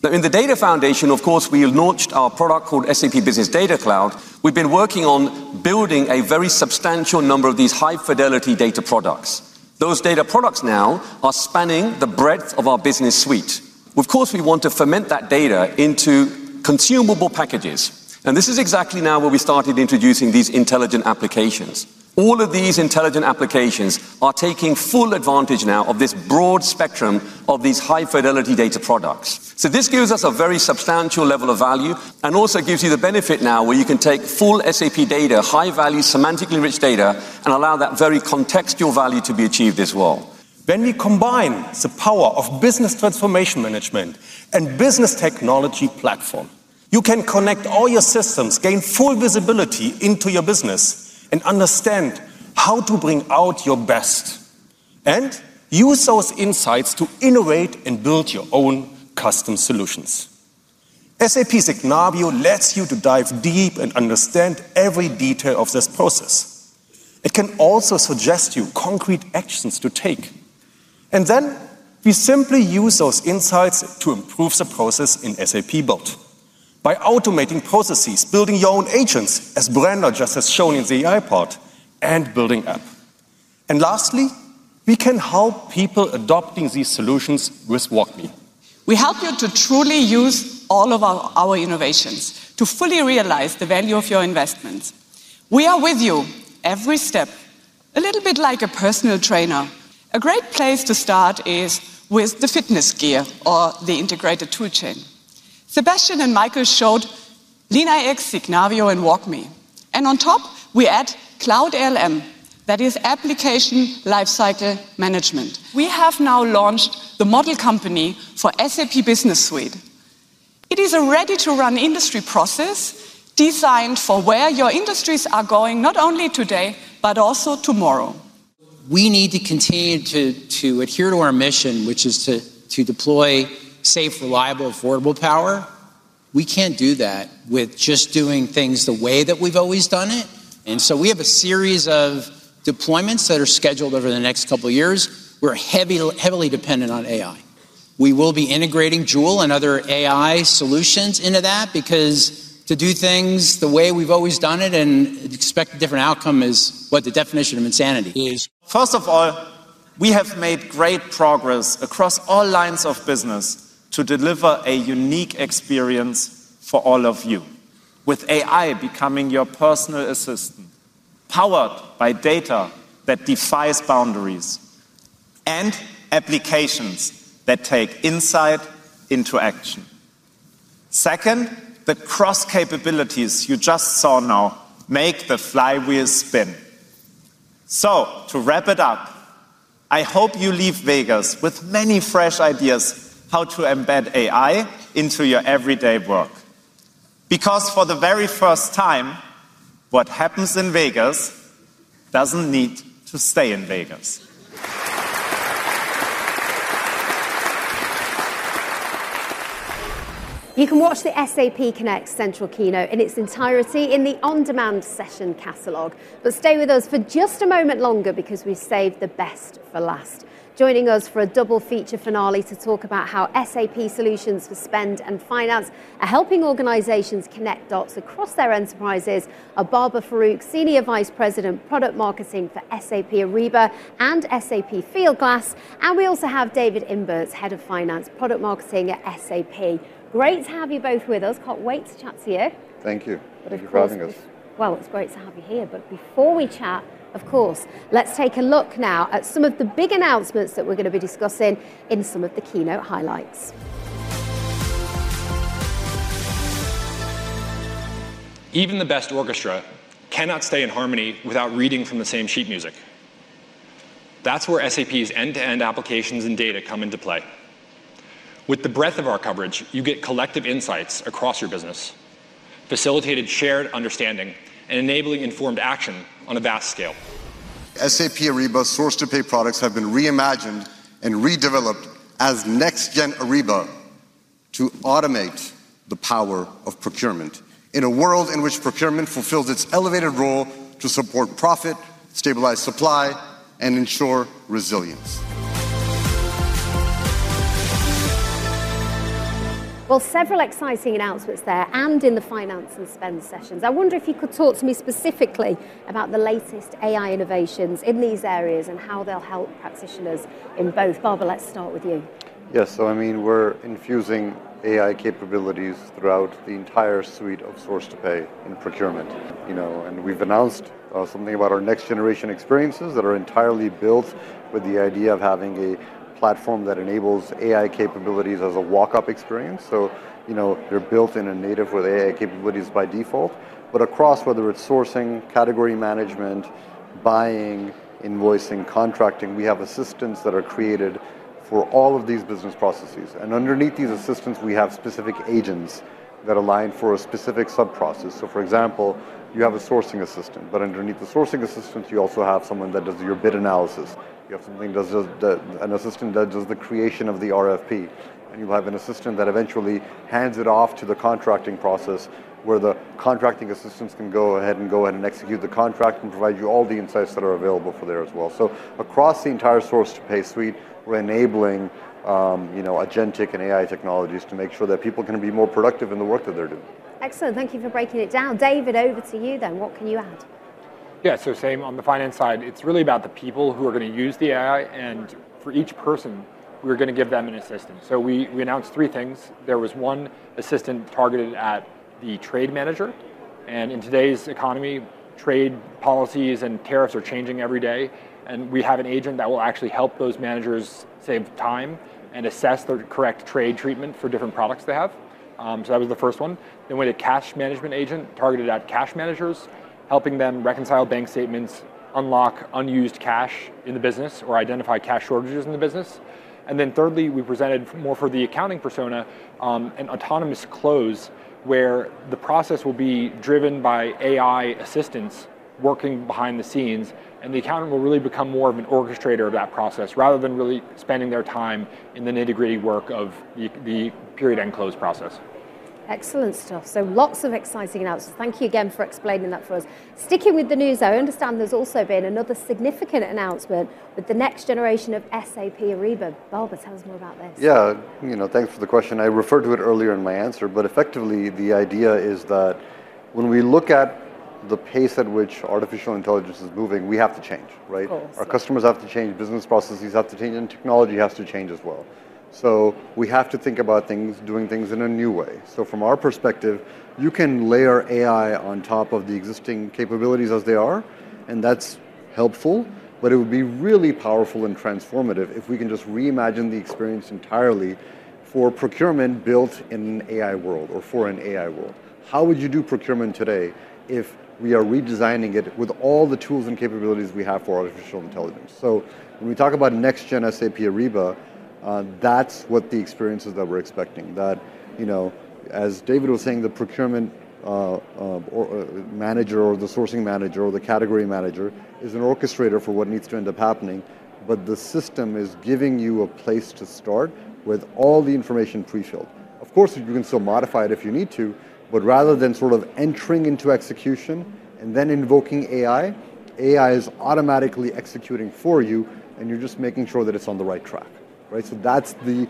Now, in the Data Foundation, of course, we launched our product called SAP Business Data Cloud. We've been working on building a very substantial number of these high-fidelity data products. Those data products now are spanning the breadth of our business suite. Of course, we want to ferment that data into consumable packages. This is exactly now where we started introducing these intelligent applications. All of these intelligent applications are taking full advantage now of this broad spectrum of these high-fidelity data products. This gives us a very substantial level of value and also gives you the benefit now where you can take full SAP data, high-value, semantically rich data, and allow that very contextual value to be achieved as well. When we combine the power of business transformation management and the Business Technology Platform, you can connect all your systems, gain full visibility into your business, and understand how to bring out your best, and use those insights to innovate and build your own custom solutions. SAP Signavio lets you dive deep and understand every detail of this process. It can also suggest you concrete actions to take. We simply use those insights to improve the process in SAP Build by automating processes, building your own agents, as Brenda just has shown in the AI part, and building an app. Lastly, we can help people adopt these solutions with SAP WalkMe. We help you to truly use all of our innovations to fully realize the value of your investments. We are with you every step, a little bit like a personal trainer. A great place to start is with the fitness gear or the integrated toolchain. Sebastian and Michael showed SAP LeanIX, SAP Signavio, and SAP WalkMe. On top, we add Cloud ALM, that is Application Lifecycle Management. We have now launched the model company for SAP Business Suite. It is a ready-to-run industry process designed for where your industries are going, not only today, but also tomorrow. We need to continue to adhere to our mission, which is to deploy safe, reliable, affordable power. We can't do that with just doing things the way that we've always done it. We have a series of deployments that are scheduled over the next couple of years. We're heavily dependent on AI. We will be integrating SAP Joule and other AI solutions into that because to do things the way we've always done it and expect a different outcome is what the definition of insanity is. First of all, we have made great progress across all lines of business to deliver a unique experience for all of you, with AI becoming your personal assistant, powered by data that defies boundaries and applications that take insight into action. The cross-capabilities you just saw now make the flywheel spin. To wrap it up, I hope you leave Las Vegas with many fresh ideas how to embed AI into your everyday work. Because for the very first time, what happens in Las Vegas doesn't need to stay in Las Vegas. You can watch the SAP Connect Central keynote in its entirety in the on-demand session catalog. Please stay with us for just a moment longer because we saved the best for last. Joining us for a double feature finale to talk about how SAP solutions for spend and finance are helping organizations connect dots across their enterprises are Baber Farooq, Senior Vice President, Product Marketing for SAP Ariba and SAP Fieldglass. We also have David Imbert, Head of Finance, Product Marketing at SAP. Great to have you both with us. Can't wait to chat to you. Thank you. Thank you for having us. It's great to have you here. Before we chat, of course, let's take a look now at some of the big announcements that we're going to be discussing in some of the keynote highlights. Even the best orchestra cannot stay in harmony without reading from the same sheet music. That's where SAP's end-to-end applications and data come into play. With the breadth of our coverage, you get collective insights across your business, facilitated shared understanding, and enabling informed action on a vast scale. SAP Ariba's source-to-pay products have been reimagined and redeveloped as next-gen SAP Ariba to automate the power of procurement in a world in which procurement fulfills its elevated role to support profit, stabilize supply, and ensure resilience. Several exciting announcements there in the finance and spend sessions. I wonder if you could talk to me specifically about the latest AI innovations in these areas and how they'll help practitioners in both. Baber, let's start with you. Yes, so I mean, we're infusing AI capabilities throughout the entire suite of source-to-pay in procurement. We've announced something about our next-generation experiences that are entirely built with the idea of having a platform that enables AI capabilities as a walk-up experience. They're built-in and native with AI capabilities by default. Across, whether it's sourcing, category management, buying, invoicing, contracting, we have assistants that are created for all of these business processes. Underneath these assistants, we have specific agents that align for a specific sub-process. For example, you have a sourcing assistant, but underneath the sourcing assistant, you also have someone that does your bid analysis. You have something that does an assistant that does the creation of the RFP. You'll have an assistant that eventually hands it off to the contracting process where the contracting assistants can go ahead and execute the contract and provide you all the insights that are available for there as well. Across the entire source-to-pay suite, we're enabling agentic and AI technologies to make sure that people can be more productive in the work that they're doing. Excellent. Thank you for breaking it down. David, over to you then. What can you add? Yeah, so same on the finance side. It's really about the people who are going to use the AI, and for each person, we're going to give them an assistant. We announced three things. There was one assistant targeted at the trade manager. In today's economy, trade policies and tariffs are changing every day. We have an agent that will actually help those managers save time and assess the correct trade treatment for different products they have. That was the first one. We had a cash management agent targeted at cash managers, helping them reconcile bank statements, unlock unused cash in the business, or identify cash shortages in the business. Thirdly, we presented more for the accounting persona, an autonomous close where the process will be driven by AI assistants working behind the scenes. The accountant will really become more of an orchestrator of that process rather than really spending their time in the nitty-gritty work of the period-end close process. Excellent stuff. Lots of exciting announcements. Thank you again for explaining that for us. Sticking with the news, I understand there's also been another significant announcement with the next generation of SAP Ariba. Baber, tell us more about this. Yeah, you know, thanks for the question. I referred to it earlier in my answer, but effectively, the idea is that when we look at the pace at which artificial intelligence is moving, we have to change, right? Our customers have to change, business processes have to change, and technology has to change as well. We have to think about things, doing things in a new way. From our perspective, you can layer AI on top of the existing capabilities as they are, and that's helpful. It would be really powerful and transformative if we can just reimagine the experience entirely for procurement built in an AI world or for an AI world. How would you do procurement today if we are redesigning it with all the tools and capabilities we have for artificial intelligence? When we talk about next-gen SAP Ariba, that's what the experience is that we're expecting. That, you know, as David was saying, the procurement manager or the sourcing manager or the category manager is an orchestrator for what needs to end up happening. The system is giving you a place to start with all the information pre-filled. Of course, you can still modify it if you need to. Rather than sort of entering into execution and then invoking AI, AI is automatically executing for you, and you're just making sure that it's on the right track, right? That's the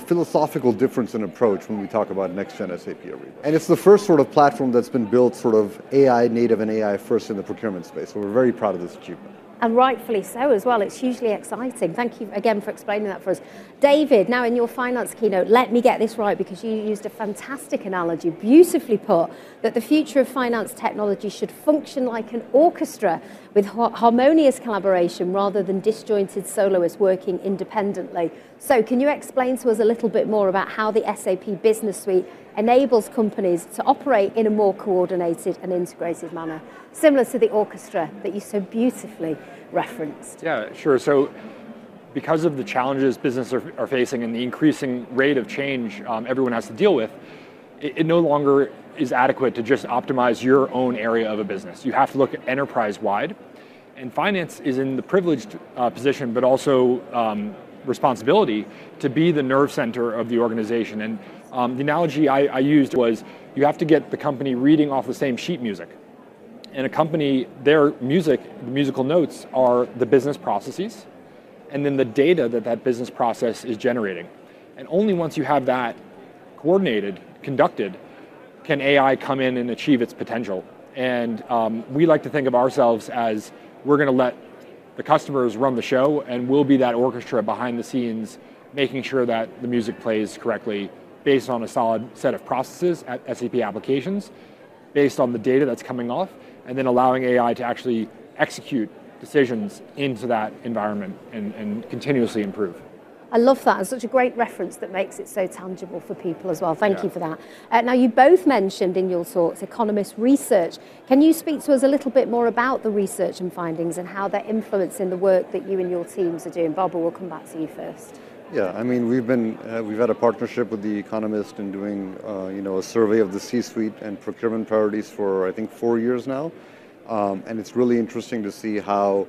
philosophical difference in approach when we talk about next-gen SAP Ariba. It's the first sort of platform that's been built sort of AI-native and AI-first in the procurement space. We're very proud of this achievement. It is hugely exciting. Thank you again for explaining that for us. David, now in your Finance Keynote, let me get this right because you used a fantastic analogy, beautifully put, that the future of finance technology should function like an orchestra with harmonious collaboration rather than disjointed soloists working independently. Can you explain to us a little bit more about how the SAP Business Suite enables companies to operate in a more coordinated and integrated manner, similar to the orchestra that you so beautifully referenced? Yeah, sure. Because of the challenges businesses are facing and the increasing rate of change everyone has to deal with, it no longer is adequate to just optimize your own area of a business. You have to look at enterprise-wide. Finance is in the privileged position, but also responsibility to be the nerve center of the organization. The analogy I used was you have to get the company reading off the same sheet music. In a company, their music, the musical notes, are the business processes and then the data that that business process is generating. Only once you have that coordinated, conducted, can AI come in and achieve its potential. We like to think of ourselves as we're going to let the customers run the show, and we'll be that orchestra behind the scenes, making sure that the music plays correctly based on a solid set of processes at SAP applications, based on the data that's coming off, and then allowing AI to actually execute decisions into that environment and continuously improve. I love that. It's such a great reference that makes it so tangible for people as well. Thank you for that. Now, you both mentioned in your thoughts The Economist research. Can you speak to us a little bit more about the research and findings and how they're influencing the work that you and your teams are doing? Baber, we'll come back to you first. Yeah, I mean, we've had a partnership with The Economist in doing a survey of the C-suite and procurement priorities for, I think, four years now. It's really interesting to see how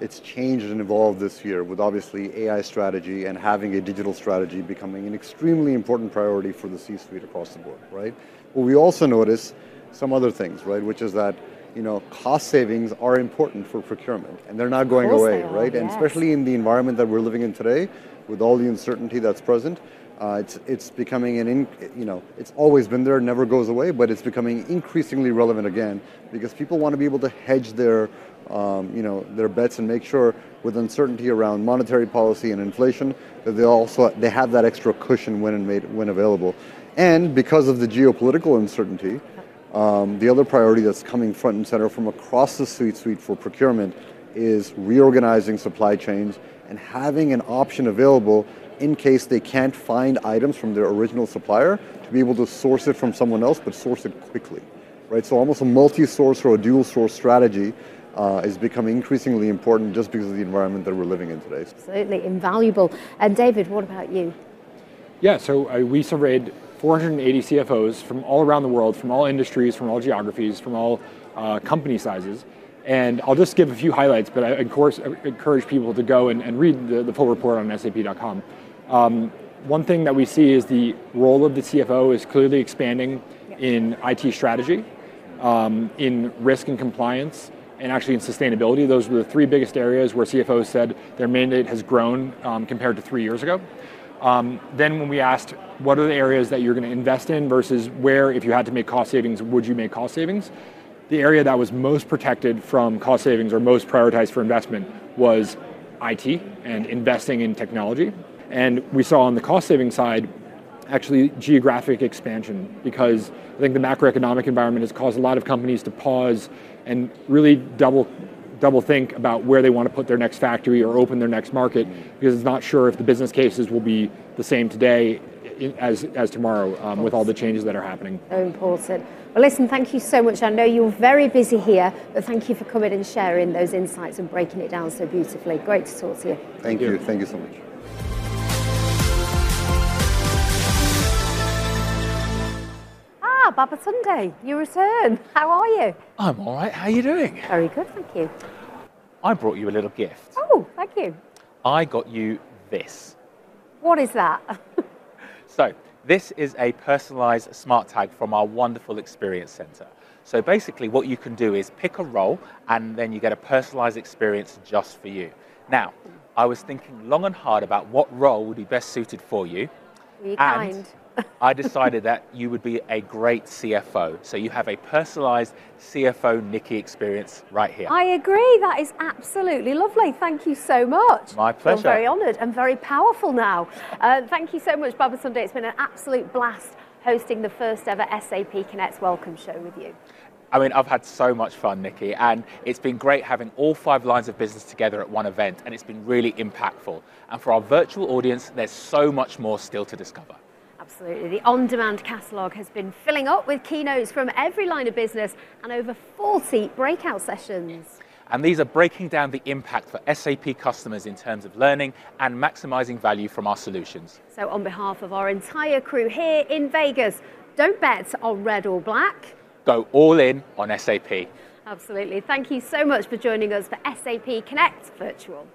it's changed and evolved this year with obviously AI strategy and having a digital strategy becoming an extremely important priority for the C-suite across the board, right? We also notice some other things, right? Which is that cost savings are important for procurement, and they're not going away, right? Especially in the environment that we're living in today, with all the uncertainty that's present, it's becoming an, you know, it's always been there, never goes away, but it's becoming increasingly relevant again because people want to be able to hedge their, you know, their bets and make sure with uncertainty around monetary policy and inflation that they have that extra cushion when available. Because of the geopolitical uncertainty, the other priority that's coming front and center from across the C-suite for procurement is reorganizing supply chains and having an option available in case they can't find items from their original supplier, be able to source it from someone else, but source it quickly, right? Almost a multi-source or a dual-source strategy is becoming increasingly important just because of the environment that we're living in today. Absolutely invaluable. David, what about you? Yeah, so we surveyed 480 CFOs from all around the world, from all industries, from all geographies, from all company sizes. I'll just give a few highlights, but I encourage people to go and read the full report on sap.com. One thing that we see is the role of the CFO is clearly expanding in IT strategy, in risk and compliance, and actually in sustainability. Those were the three biggest areas where CFOs said their mandate has grown compared to three years ago. When we asked, what are the areas that you're going to invest in versus where, if you had to make cost savings, would you make cost savings? The area that was most protected from cost savings or most prioritized for investment was IT and investing in technology. We saw on the cost-saving side actually geographic expansion because I think the macroeconomic environment has caused a lot of companies to pause and really double think about where they want to put their next factory or open their next market because it's not sure if the business cases will be the same today as tomorrow with all the changes that are happening. Thank you so much. I know you're very busy here, but thank you for coming and sharing those insights and breaking it down so beautifully. Great to talk to you. Thank you. Thank you so much. Babatunde, you returned. How are you? I'm all right. How are you doing? Very good, thank you. I brought you a little gift. Oh, thank you. I got you this. What is that? This is a personalized SmartTag from our wonderful Experience Center. Basically, what you can do is pick a role and then you get a personalized experience just for you. I was thinking long and hard about what role would be best suited for you. Really kind. I decided that you would be a great CFO. You have a personalized CFO Nikki experience right here. I agree. That is absolutely lovely. Thank you so much. My pleasure. I'm very honored. I'm very powerful now. Thank you so much, Babatunde. It's been an absolute blast hosting the first-ever SAP Connect Welcome Show with you. I mean, I've had so much fun, Nicky. It's been great having all five lines of business together at one event, and it's been really impactful. For our virtual audience, there's so much more still to discover. Absolutely. The on-demand catalog has been filling up with keynotes from every line of business and over 40 breakout sessions. These are breaking down the impact for SAP customers in terms of learning and maximizing value from our solutions. On behalf of our entire crew here in Las Vegas, don't bet on red or black. Go all in on SAP. Absolutely. Thank you so much for joining us for SAP Connect Continues.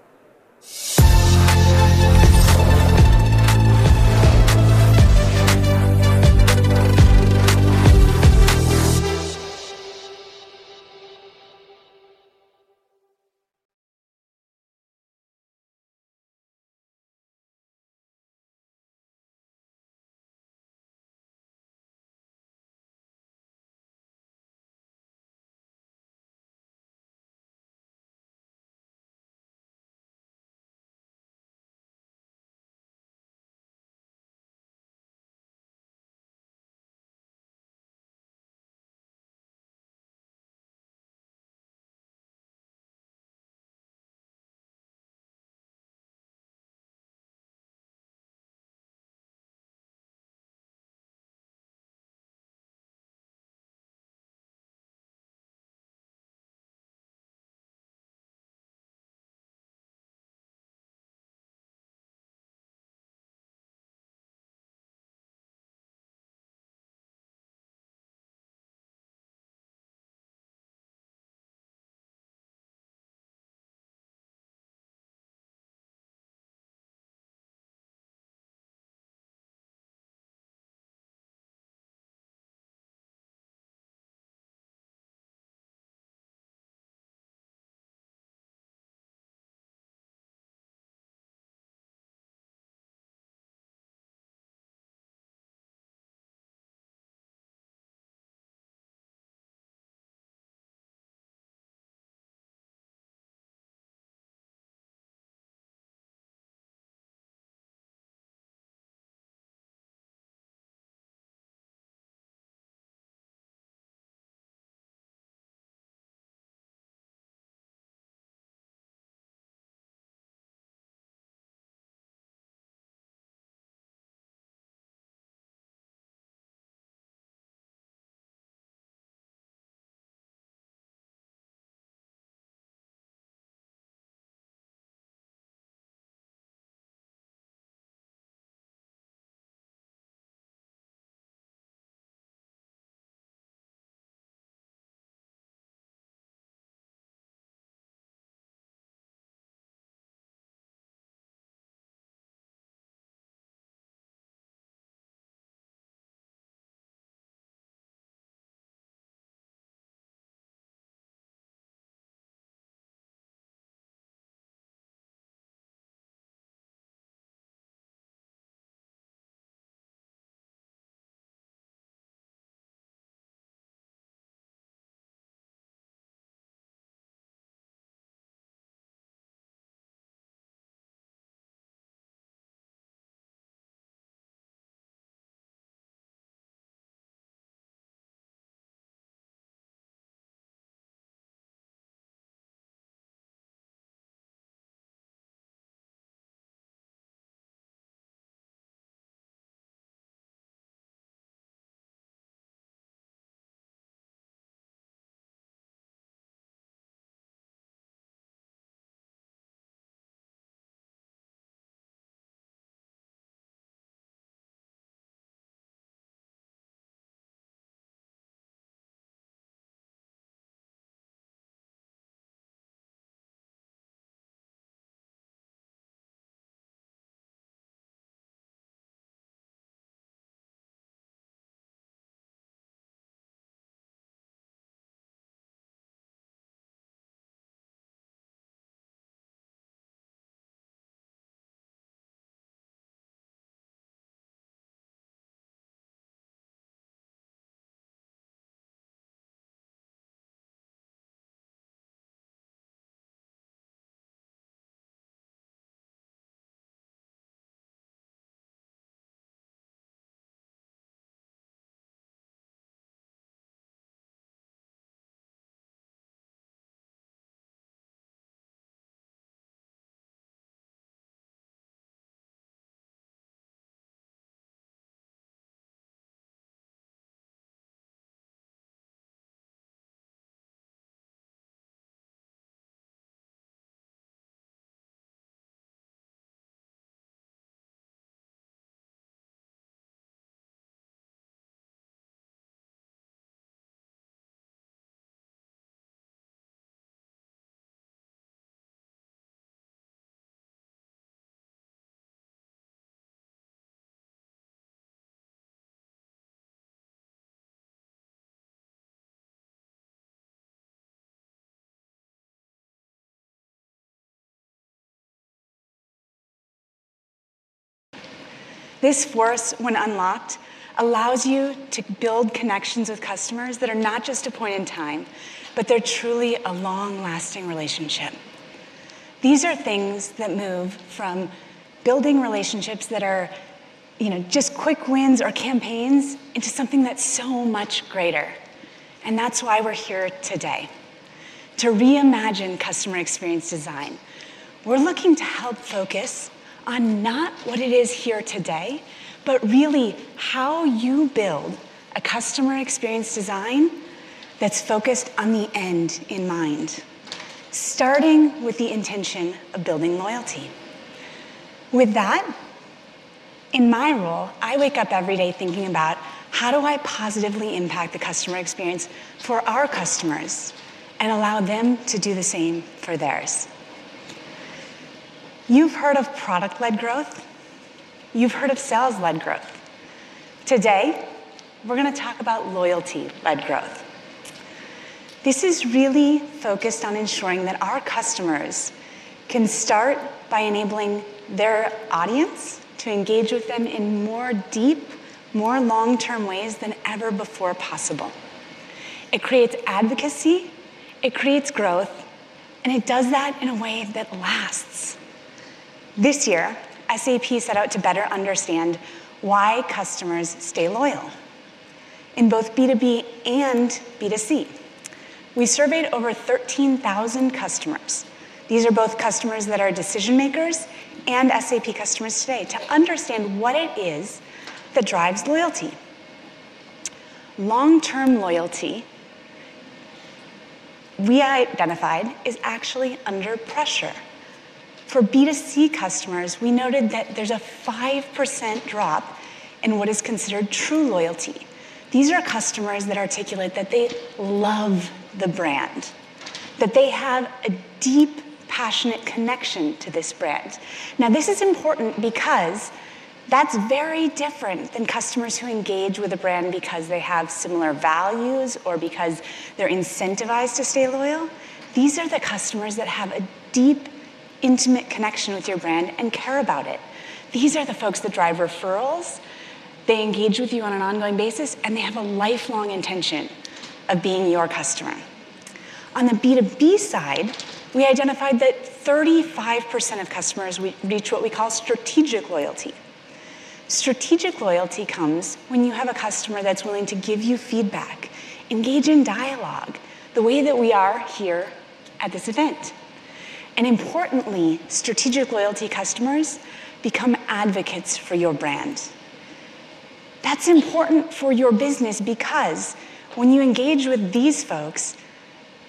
This force, when unlocked, allows you to build connections with customers that are not just a point in time, but they're truly a long-lasting relationship. These are things that move from building relationships that are just quick wins or campaigns into something that's so much greater. That is why we're here today to reimagine customer experience design. We're looking to help focus on not what it is here today, but really how you build a customer experience design that's focused on the end in mind, starting with the intention of building loyalty. With that, in my role, I wake up every day thinking about how do I positively impact the customer experience for our customers and allow them to do the same for theirs. You've heard of product-led growth. You've heard of sales-led growth. Today, we're going to talk about loyalty-led growth. This is really focused on ensuring that our customers can start by enabling their audience to engage with them in more deep, more long-term ways than ever before possible. It creates advocacy. It creates growth. It does that in a way that lasts. This year, SAP set out to better understand why customers stay loyal in both B2B and B2C. We surveyed over 13,000 customers. These are both customers that are decision makers and SAP customers today to understand what it is that drives loyalty. Long-term loyalty we identified is actually under pressure. For B2C customers, we noted that there's a 5% drop in what is considered true loyalty. These are customers that articulate that they love the brand, that they have a deep, passionate connection to this brand. This is important because that's very different than customers who engage with a brand because they have similar values or because they're incentivized to stay loyal. These are the customers that have a deep, intimate connection with your brand and care about it. These are the folks that drive referrals. They engage with you on an ongoing basis, and they have a lifelong intention of being your customer. On the B2B side, we identified that 35% of customers reach what we call strategic loyalty. Strategic loyalty comes when you have a customer that's willing to give you feedback, engage in dialogue, the way that we are here at this event. Importantly, strategic loyalty customers become advocates for your brand. That's important for your business because when you engage with these folks,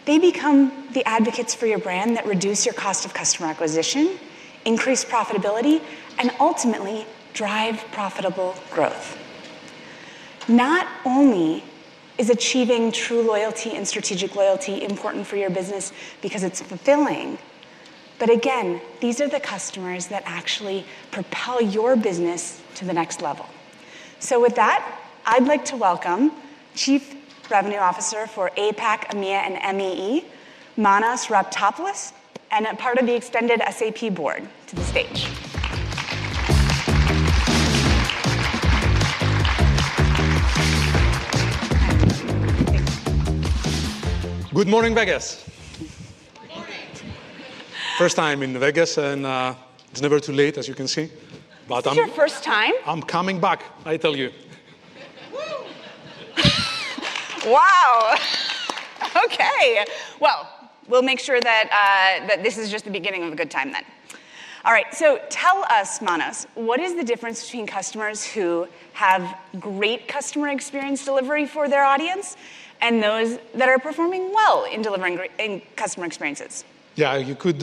they become the advocates for your brand that reduce your cost of customer acquisition, increase profitability, and ultimately drive profitable growth. Not only is achieving true loyalty and strategic loyalty important for your business because it's fulfilling. These are the customers that actually propel your business to the next level. With that, I'd like to welcome Chief Revenue Officer for APAC, EMEA, and MEE, Manos Raptopoulos, and a part of the extended SAP board, to the stage. Good morning, Vegas. First time in Vegas, and it's never too late, as you can see. It's your first time? I'm coming back, I tell you. Wow. OK. We'll make sure that this is just the beginning of a good time, then. All right. Tell us, Manos, what is the difference between customers who have great customer experience delivery for their audience and those that are performing well in delivering customer experiences? Yeah, you could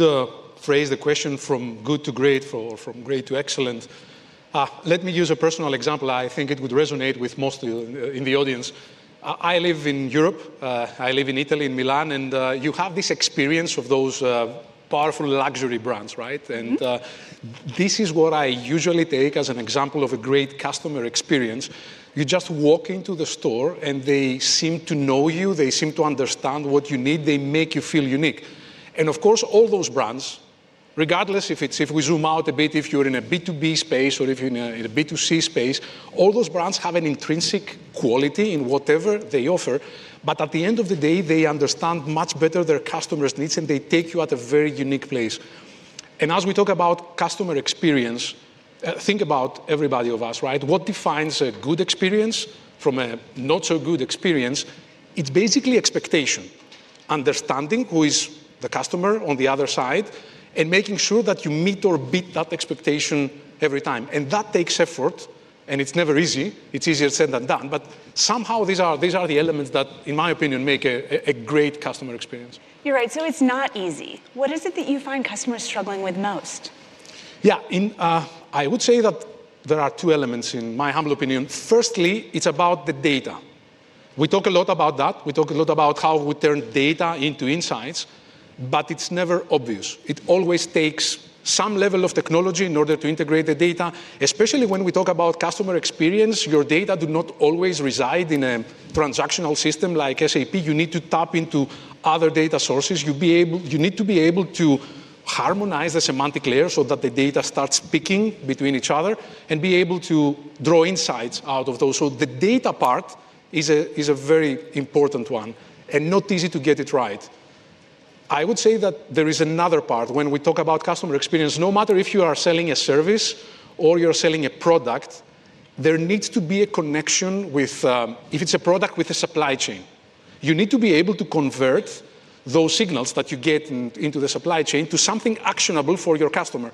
phrase the question from good to great or from great to excellent. Let me use a personal example. I think it would resonate with most of you in the audience. I live in Europe. I live in Italy, in Milan. You have this experience of those powerful luxury brands, right? This is what I usually take as an example of a great customer experience. You just walk into the store, and they seem to know you. They seem to understand what you need. They make you feel unique. Of course, all those brands, regardless if we zoom out a bit, if you're in a B2B space or if you're in a B2C space, all those brands have an intrinsic quality in whatever they offer. At the end of the day, they understand much better their customers' needs, and they take you at a very unique place. As we talk about customer experience, think about everybody of us, right? What defines a good experience from a not-so-good experience? It's basically expectation, understanding who is the customer on the other side, and making sure that you meet or beat that expectation every time. That takes effort, and it's never easy. It's easier said than done. Somehow, these are the elements that, in my opinion, make a great customer experience. You're right. It's not easy. What is it that you find customers struggling with most? Yeah, I would say that there are two elements, in my humble opinion. Firstly, it's about the data. We talk a lot about that. We talk a lot about how we turn data into insights, but it's never obvious. It always takes some level of technology in order to integrate the data, especially when we talk about customer experience. Your data does not always reside in a transactional system like SAP. You need to tap into other data sources. You need to be able to harmonize the semantic layer so that the data starts picking between each other and be able to draw insights out of those. The data part is a very important one and not easy to get it right. I would say that there is another part when we talk about customer experience. No matter if you are selling a service or you're selling a product, there needs to be a connection with, if it's a product, with a supply chain. You need to be able to convert those signals that you get into the supply chain to something actionable for your customer.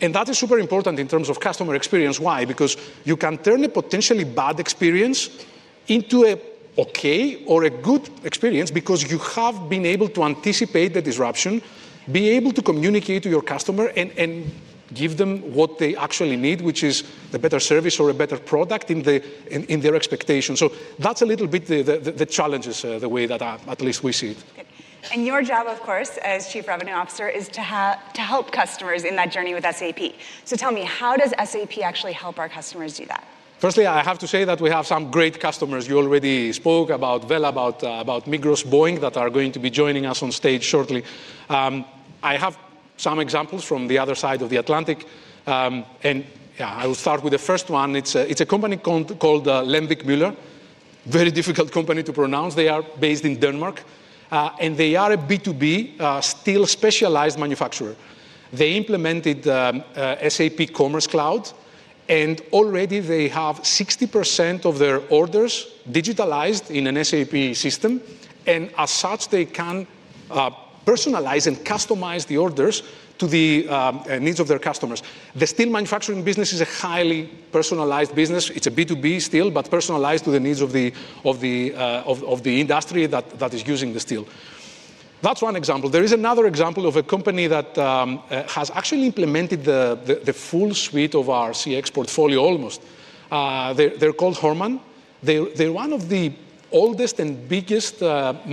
That is super important in terms of customer experience. Why? Because you can turn a potentially bad experience into an OK or a good experience because you have been able to anticipate the disruption, be able to communicate to your customer, and give them what they actually need, which is a better service or a better product in their expectation. That's a little bit the challenges, the way that at least we see it. Your job, of course, as Chief Revenue Officer, is to help customers in that journey with SAP. Tell me, how does SAP actually help our customers do that? Firstly, I have to say that we have some great customers. You already spoke about Migros, Boeing that are going to be joining us on stage shortly. I have some examples from the other side of the Atlantic. I will start with the first one. It's a company called Lemvig-Müller, very difficult company to pronounce. They are based in Denmark, and they are a B2B steel specialized manufacturer. They implemented SAP Commerce Cloud, and already, they have 60% of their orders digitalized in an SAP system. As such, they can personalize and customize the orders to the needs of their customers. The steel manufacturing business is a highly personalized business. It's a B2B steel, but personalized to the needs of the industry that is using the steel. That's one example. There is another example of a company that has actually implemented the full suite of our CX portfolio, almost. They're called Horman. They're one of the oldest and biggest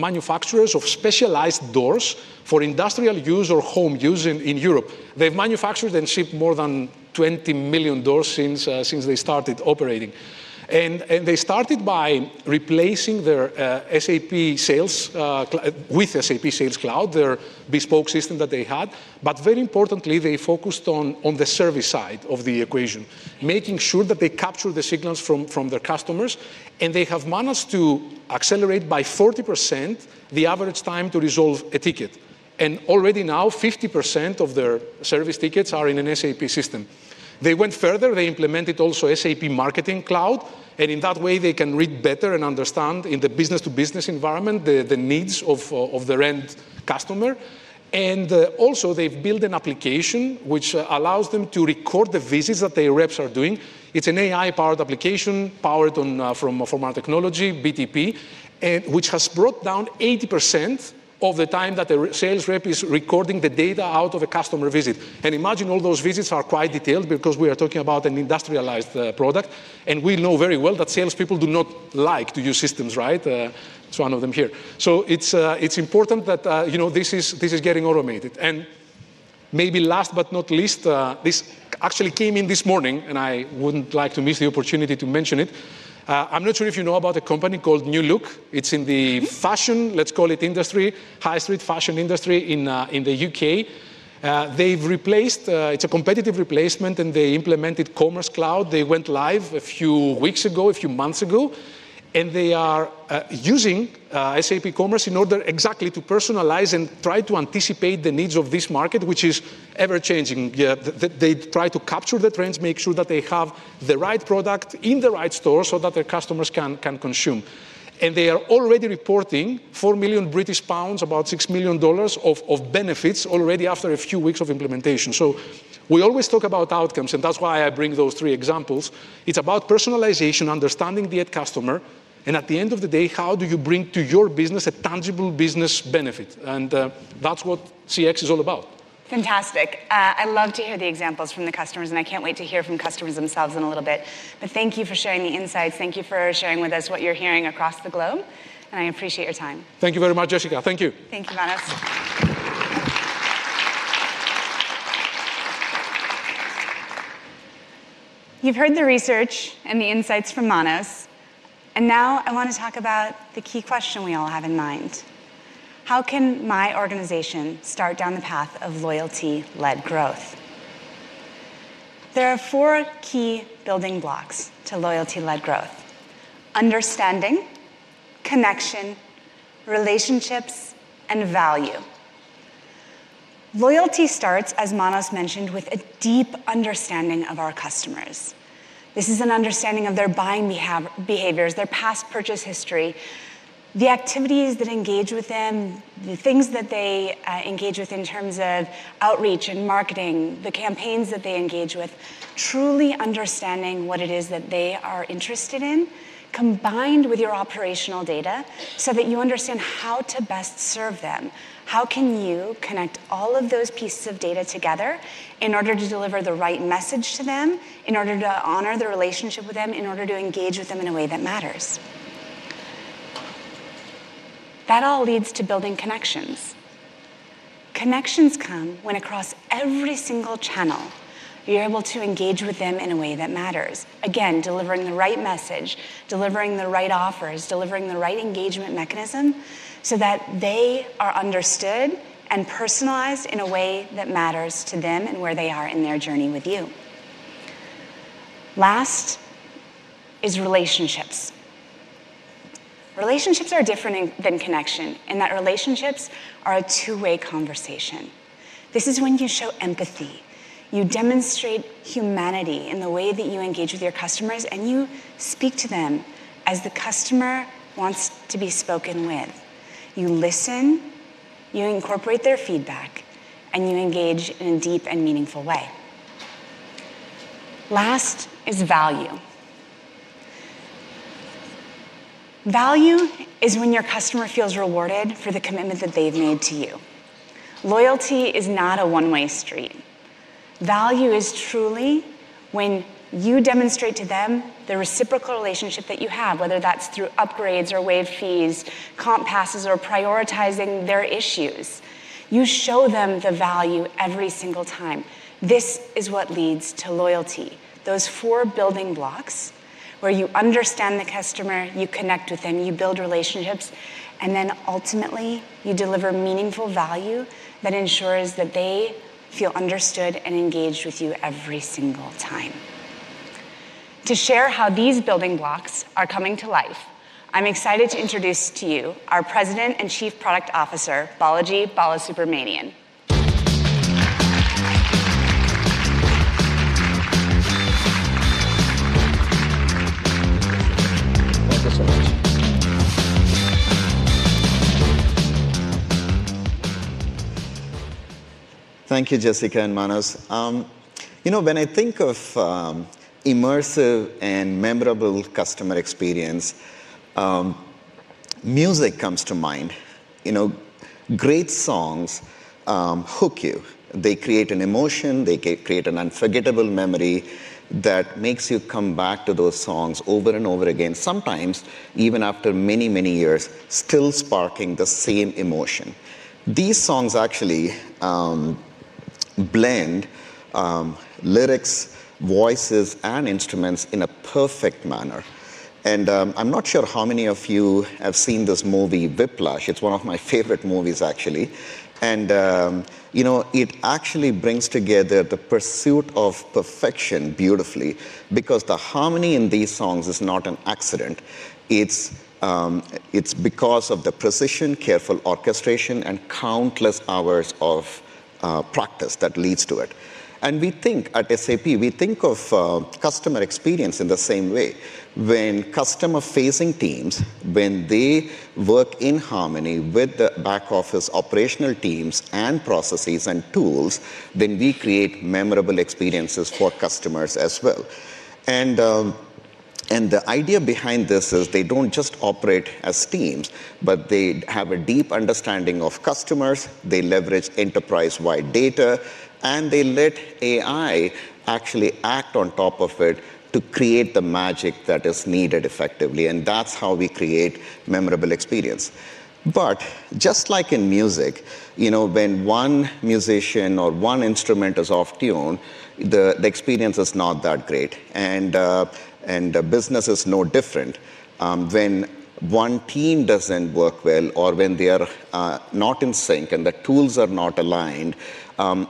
manufacturers of specialized doors for industrial use or home use in Europe. They've manufactured and shipped more than 20 million doors since they started operating. They started by replacing their SAP sales with SAP Sales Cloud, their bespoke system that they had. Very importantly, they focused on the service side of the equation, making sure that they capture the signals from their customers. They have managed to accelerate by 40% the average time to resolve a ticket. Already now, 50% of their service tickets are in an SAP system. They went further. They implemented also SAP Marketing Cloud, and in that way, they can read better and understand in the business-to-business environment the needs of their end customer. Also, they've built an application which allows them to record the visits that their reps are doing. It's an AI-powered application powered from our technology, BTP, which has brought down 80% of the time that a sales rep is recording the data out of a customer visit. Imagine all those visits are quite detailed because we are talking about an industrialized product. We know very well that salespeople do not like to use systems, right? It's one of them here. It's important that this is getting automated. Maybe last but not least, this actually came in this morning, and I wouldn't like to miss the opportunity to mention it. I'm not sure if you know about a company called New Look. It's in the fashion, let's call it industry, high-street fashion industry in the U.K. They've replaced, it's a competitive replacement, and they implemented Commerce Cloud. They went live a few weeks ago, a few months ago. They are using SAP Commerce in order exactly to personalize and try to anticipate the needs of this market, which is ever-changing. They try to capture the trends, make sure that they have the right product in the right store so that their customers can consume. They are already reporting 4 million British pounds, about $6 million of benefits already after a few weeks of implementation. We always talk about outcomes. That's why I bring those three examples. It's about personalization, understanding the end customer. At the end of the day, how do you bring to your business a tangible business benefit? That's what CX is all about. Fantastic. I love to hear the examples from the customers. I can't wait to hear from customers themselves in a little bit. Thank you for sharing the insights. Thank you for sharing with us what you're hearing across the globe. I appreciate your time. Thank you very much. Thank you. Thank you, Manos. You've heard the research and the insights from Manos. Now, I want to talk about the key question we all have in mind. How can my organization start down the path of loyalty-led growth? There are four key building blocks to loyalty-led growth: understanding, connection, relationships, and value. Loyalty starts, as Manos mentioned, with a deep understanding of our customers. This is an understanding of their buying behaviors, their past purchase history, the activities that engage with them, the things that they engage with in terms of outreach and marketing, the campaigns that they engage with, truly understanding what it is that they are interested in, combined with your operational data so that you understand how to best serve them. How can you connect all of those pieces of data together in order to deliver the right message to them, in order to honor the relationship with them, in order to engage with them in a way that matters? That all leads to building connections. Connections come when, across every single channel, you're able to engage with them in a way that matters, again, delivering the right message, delivering the right offers, delivering the right engagement mechanism so that they are understood and personalized in a way that matters to them and where they are in their journey with you. Last is relationships. Relationships are different than connection in that relationships are a two-way conversation. This is when you show empathy. You demonstrate humanity in the way that you engage with your customers. You speak to them as the customer wants to be spoken with. You listen. You incorporate their feedback. You engage in a deep and meaningful way. Last is value. Value is when your customer feels rewarded for the commitment that they've made to you. Loyalty is not a one-way street. Value is truly when you demonstrate to them the reciprocal relationship that you have, whether that's through upgrades or waived fees, comp passes, or prioritizing their issues. You show them the value every single time. This is what leads to loyalty, those four building blocks where you understand the customer, you connect with them, you build relationships, and then ultimately, you deliver meaningful value that ensures that they feel understood and engaged with you every single time. To share how these building blocks are coming to life, I'm excited to introduce to you our President and Chief Product Officer, Balaji Balasubramanian. Thank you, Jessica and Manos. You know, when I think of immersive and memorable customer experience, music comes to mind. Great songs hook you. They create an emotion. They create an unforgettable memory that makes you come back to those songs over and over again, sometimes even after many, many years, still sparking the same emotion. These songs actually blend lyrics, voices, and instruments in a perfect manner. I'm not sure how many of you have seen this movie, Whiplash. It's one of my favorite movies, actually. It actually brings together the pursuit of perfection beautifully because the harmony in these songs is not an accident. It's because of the precision, careful orchestration, and countless hours of practice that leads to it. We think at SAP, we think of customer experience in the same way. When customer-facing teams work in harmony with the back office operational teams and processes and tools, then we create memorable experiences for customers as well. The idea behind this is they don't just operate as teams, but they have a deep understanding of customers. They leverage enterprise-wide data. They let AI actually act on top of it to create the magic that is needed effectively. That's how we create memorable experience. Just like in music, when one musician or one instrument is off tune, the experience is not that great. The business is no different. When one team doesn't work well or when they are not in sync and the tools are not aligned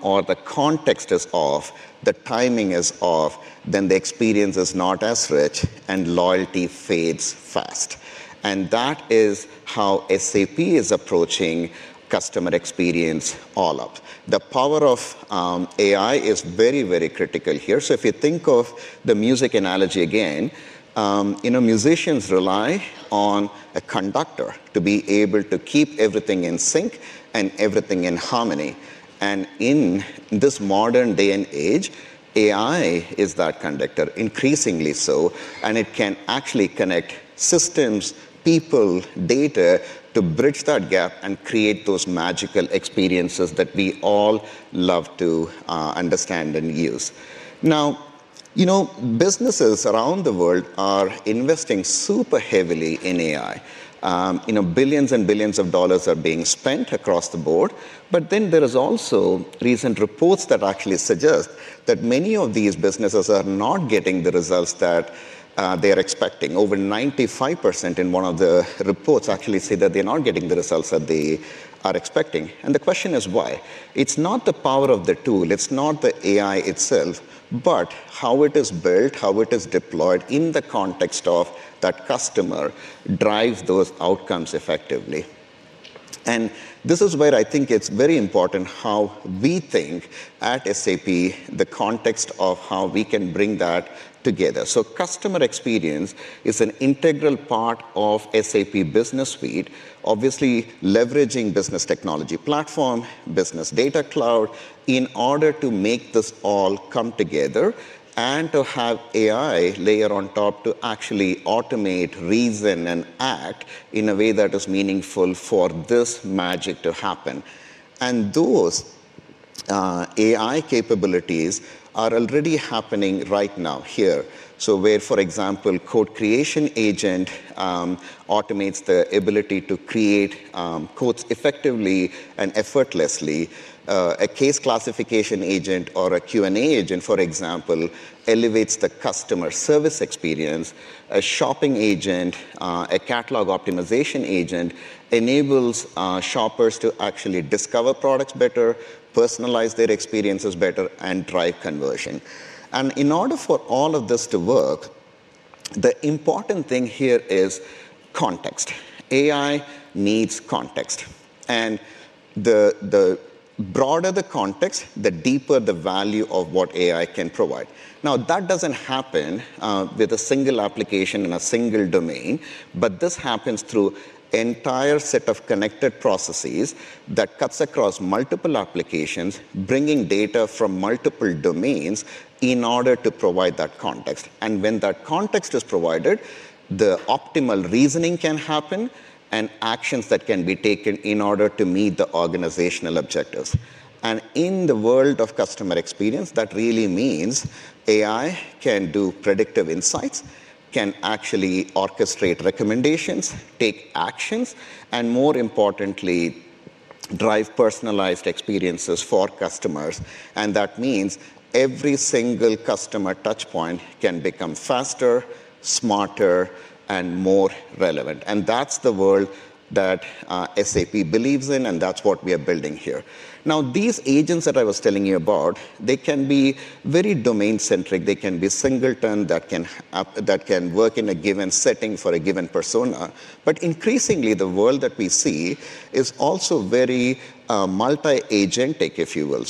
or the context is off, the timing is off, then the experience is not as rich, and loyalty fades fast. That is how SAP is approaching customer experience all out. The power of AI is very, very critical here. If you think of the music analogy again, musicians rely on a conductor to be able to keep everything in sync and everything in harmony. In this modern day and age, AI is that conductor, increasingly so. It can actually connect systems, people, data to bridge that gap and create those magical experiences that we all love to understand and use. Now, businesses around the world are investing super heavily in AI. Billions and billions of dollars are being spent across the board. There are also recent reports that actually suggest that many of these businesses are not getting the results that they are expecting. Over 95% in one of the reports actually say that they're not getting the results that they are expecting. The question is why? It's not the power of the tool. It's not the AI itself, but how it is built, how it is deployed in the context of that customer drives those outcomes effectively. This is where I think it's very important how we think at SAP, the context of how we can bring that together. Customer experience is an integral part of SAP Business Suite, obviously leveraging SAP Business Technology Platform, SAP Business Data Cloud, in order to make this all come together and to have an AI layer on top to actually automate, reason, and act in a way that is meaningful for this magic to happen. Those AI capabilities are already happening right now here. For example, a code creation agent automates the ability to create codes effectively and effortlessly, a case classification agent or a Q&A agent, for example, elevates the customer service experience. A shopping agent, a catalog optimization agent, enables shoppers to actually discover products better, personalize their experiences better, and drive conversion. In order for all of this to work, the important thing here is context. AI needs context. The broader the context, the deeper the value of what AI can provide. That doesn't happen with a single application in a single domain. This happens through an entire set of connected processes that cuts across multiple applications, bringing data from multiple domains in order to provide that context. When that context is provided, the optimal reasoning can happen and actions that can be taken in order to meet the organizational objectives. In the world of customer experience, that really means AI can do predictive insights, can actually orchestrate recommendations, take actions, and more importantly, drive personalized experiences for customers. That means every single customer touchpoint can become faster, smarter, and more relevant. That's the world that SAP believes in. That's what we are building here. These agents that I was telling you about, they can be very domain-centric. They can be singleton that can work in a given setting for a given persona. Increasingly, the world that we see is also very multi-agentic, if you will.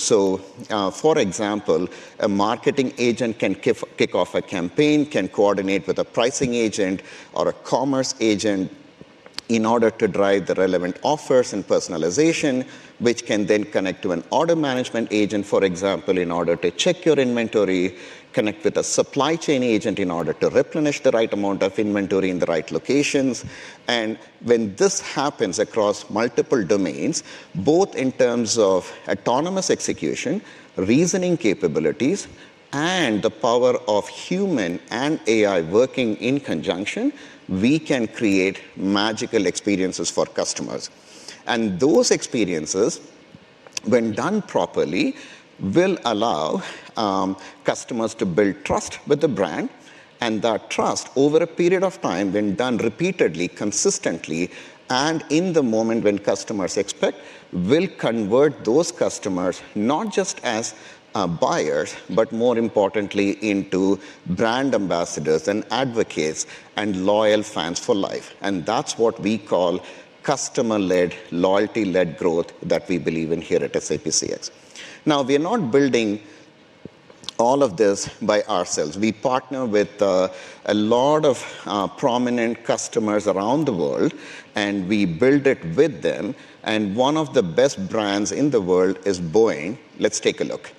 For example, a marketing agent can kick off a campaign, can coordinate with a pricing agent or a commerce agent in order to drive the relevant offers and personalization, which can then connect to an order management agent, for example, in order to check your inventory, connect with a supply chain agent in order to replenish the right amount of inventory in the right locations. When this happens across multiple domains, both in terms of autonomous execution, reasoning capabilities, and the power of human and AI working in conjunction, we can create magical experiences for customers. Those experiences, when done properly, will allow customers to build trust with the brand. That trust, over a period of time, when done repeatedly, consistently, and in the moment when customers expect, will convert those customers not just as buyers, but more importantly, into brand ambassadors and advocates and loyal fans for life. That's what we call customer-led, loyalty-led growth that we believe in here at SAP Customer Experience. We are not building all of this by ourselves. We partner with a lot of prominent customers around the world. We build it with them. One of the best brands in the world is Boeing. Let's take a look.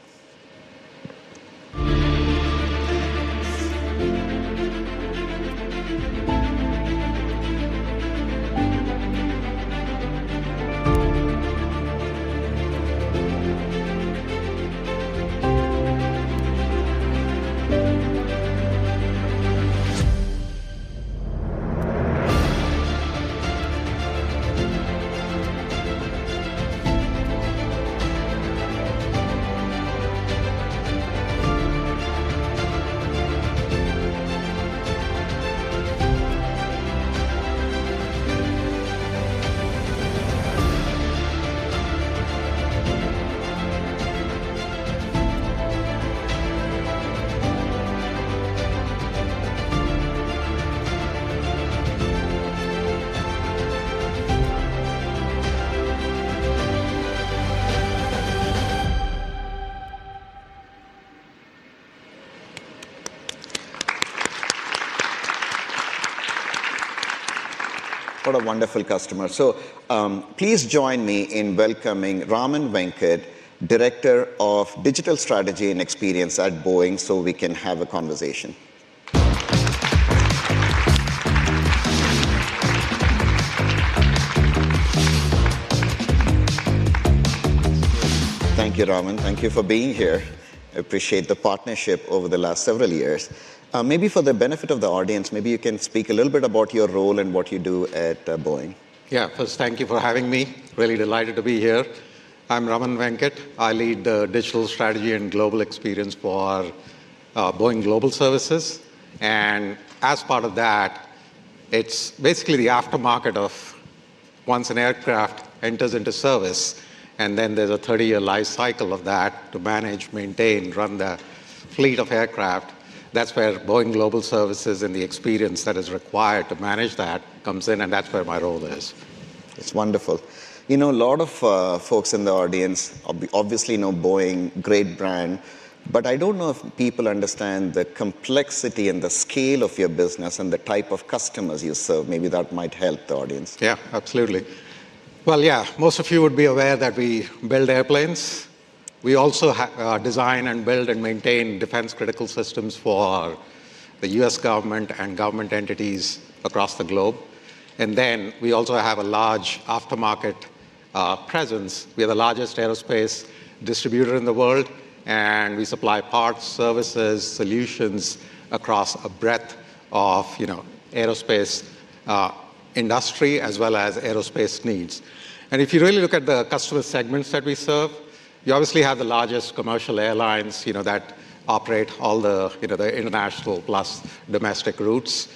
What a wonderful customer. Please join me in welcoming Raman Venket, Director of Digital Strategy and Experience at Boeing, so we can have a conversation. Thank you, Raman. Thank you for being here. I appreciate the partnership over the last several years. Maybe for the benefit of the audience, you can speak a little bit about your role and what you do at Boeing. Yeah, first, thank you for having me. Really delighted to be here. I'm Raman Venkat. I lead the Digital Strategy and Global Experience for Boeing Global Services. As part of that, it's basically the aftermarket of once an aircraft enters into service. There's a 30-year life cycle of that to manage, maintain, run the fleet of aircraft. That's where Boeing Global Services and the experience that is required to manage that comes in. That's where my role is. That's wonderful. You know, a lot of folks in the audience obviously know Boeing, great brand. I don't know if people understand the complexity and the scale of your business and the type of customers you serve. Maybe that might help the audience. Absolutely. Most of you would be aware that we build airplanes. We also design, build, and maintain defense-critical systems for the U.S. government and government entities across the globe. We also have a large aftermarket presence. We are the largest aerospace distributor in the world, and we supply parts, services, and solutions across a breadth of aerospace industry as well as aerospace needs. If you really look at the customer segments that we serve, you obviously have the largest commercial airlines that operate all the international plus domestic routes.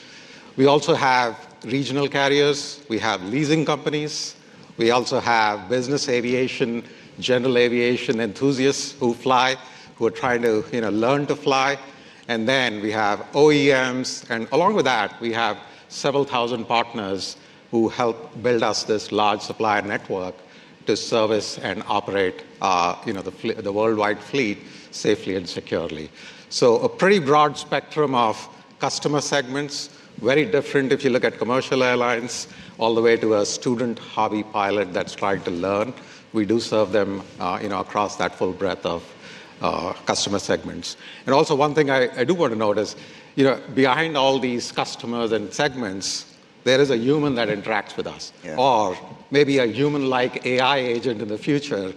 We also have regional carriers, leasing companies, business aviation, and general aviation enthusiasts who fly or are trying to learn to fly. We have OEMs, and along with that, we have several thousand partners who help build us this large supplier network to service and operate the worldwide fleet safely and securely. It is a pretty broad spectrum of customer segments, very different if you look at commercial airlines all the way to a student hobby pilot that's trying to learn. We do serve them across that full breadth of customer segments. One thing I do want to note is behind all these customers and segments, there is a human that interacts with us or maybe a human-like AI agent in the future.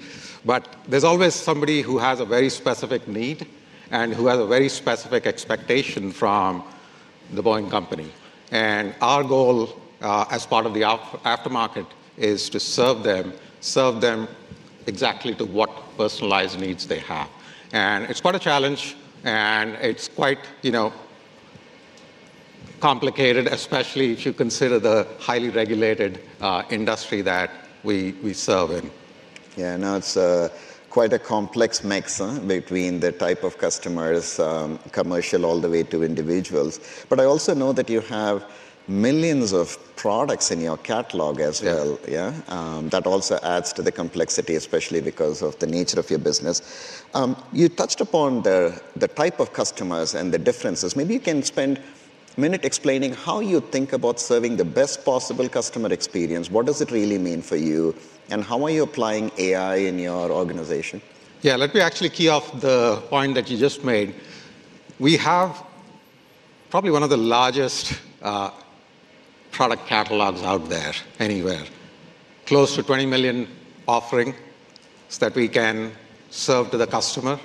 There is always somebody who has a very specific need and who has a very specific expectation from Boeing. Our goal as part of the aftermarket is to serve them, serve them exactly to what personalized needs they have. It is quite a challenge, and it is quite complicated, especially if you consider the highly regulated industry that we serve in. Yeah, I know it's quite a complex mix between the type of customers, commercial all the way to individuals. I also know that you have millions of products in your catalog as well. That also adds to the complexity, especially because of the nature of your business. You touched upon the type of customers and the differences. Maybe you can spend a minute explaining how you think about serving the best possible customer experience. What does it really mean for you? How are you applying AI in your organization? Let me actually key off the point that you just made. We have probably one of the largest product catalogs out there anywhere, close to 20 million offerings that we can serve to the customer.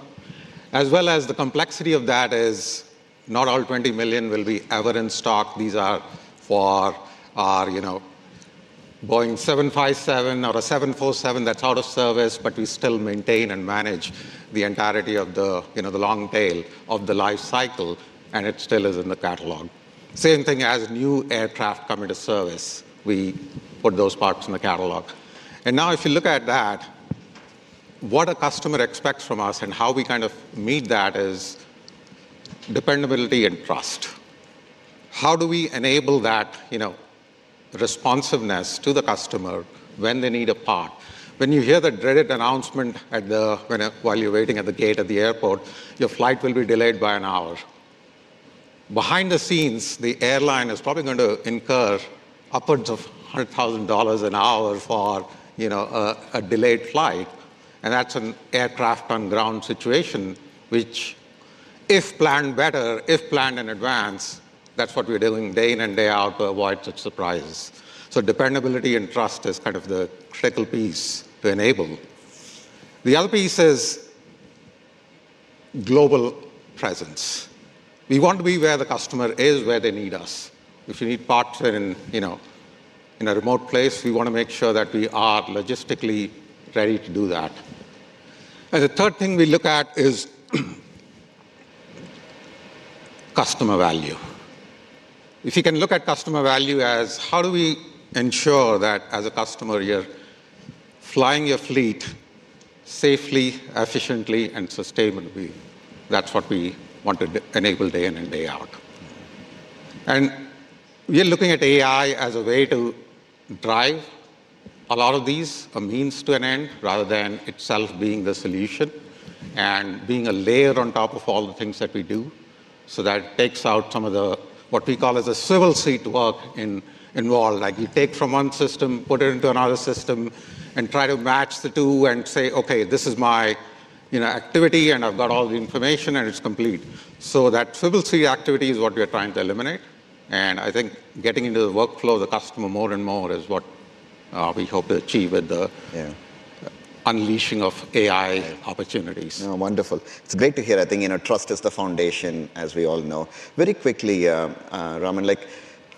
The complexity of that is not all 20 million will ever be in stock. These are for our Boeing 757 or a 747 that's out of service, but we still maintain and manage the entirety of the long tail of the life cycle, and it still is in the catalog. The same thing as new aircraft come into service, we put those parts in the catalog. If you look at that, what a customer expects from us and how we kind of meet that is dependability and trust. How do we enable that responsiveness to the customer when they need a part? When you hear that dreaded announcement while you're waiting at the gate at the airport, your flight will be delayed by an hour. Behind the scenes, the airline is probably going to incur upwards of $100,000 an hour for a delayed flight. That's an aircraft on ground situation, which if planned better, if planned in advance, that's what we're doing day in and day out to avoid such surprises. Dependability and trust is kind of the critical piece to enable. The other piece is global presence. We want to be where the customer is, where they need us. If you need parts in a remote place, we want to make sure that we are logistically ready to do that. The third thing we look at is customer value. If you can look at customer value as how do we ensure that as a customer, you're flying your fleet safely, efficiently, and sustainably. That's what we want to enable day in and day out. We are looking at AI as a way to drive a lot of these means to an end rather than itself being the solution and being a layer on top of all the things that we do. That takes out some of what we call a swivel seat work involved, like you take from one system, put it into another system, and try to match the two and say, OK, this is my activity, and I've got all the information, and it's complete. That swivel seat activity is what we're trying to eliminate. I think getting into the workflow of the customer more and more is what we hope to achieve with the unleashing of AI opportunities. Wonderful. It's great to hear. I think trust is the foundation, as we all know. Very quickly, Raman,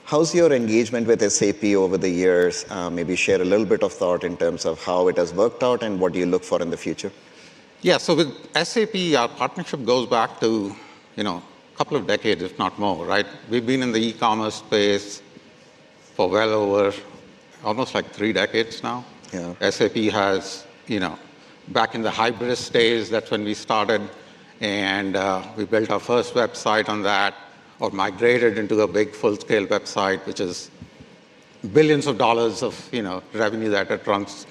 how's your engagement with SAP over the years? Maybe share a little bit of thought in terms of how it has worked out and what do you look for in the future? Yeah, with SAP, our partnership goes back a couple of decades, if not more, right? We've been in the e-commerce space for well over almost three decades now. SAP has, you know, back in the hybrid stage, that's when we started. We built our first website on that or migrated into a big full-scale website, which is billions of dollars of revenue that it trunks.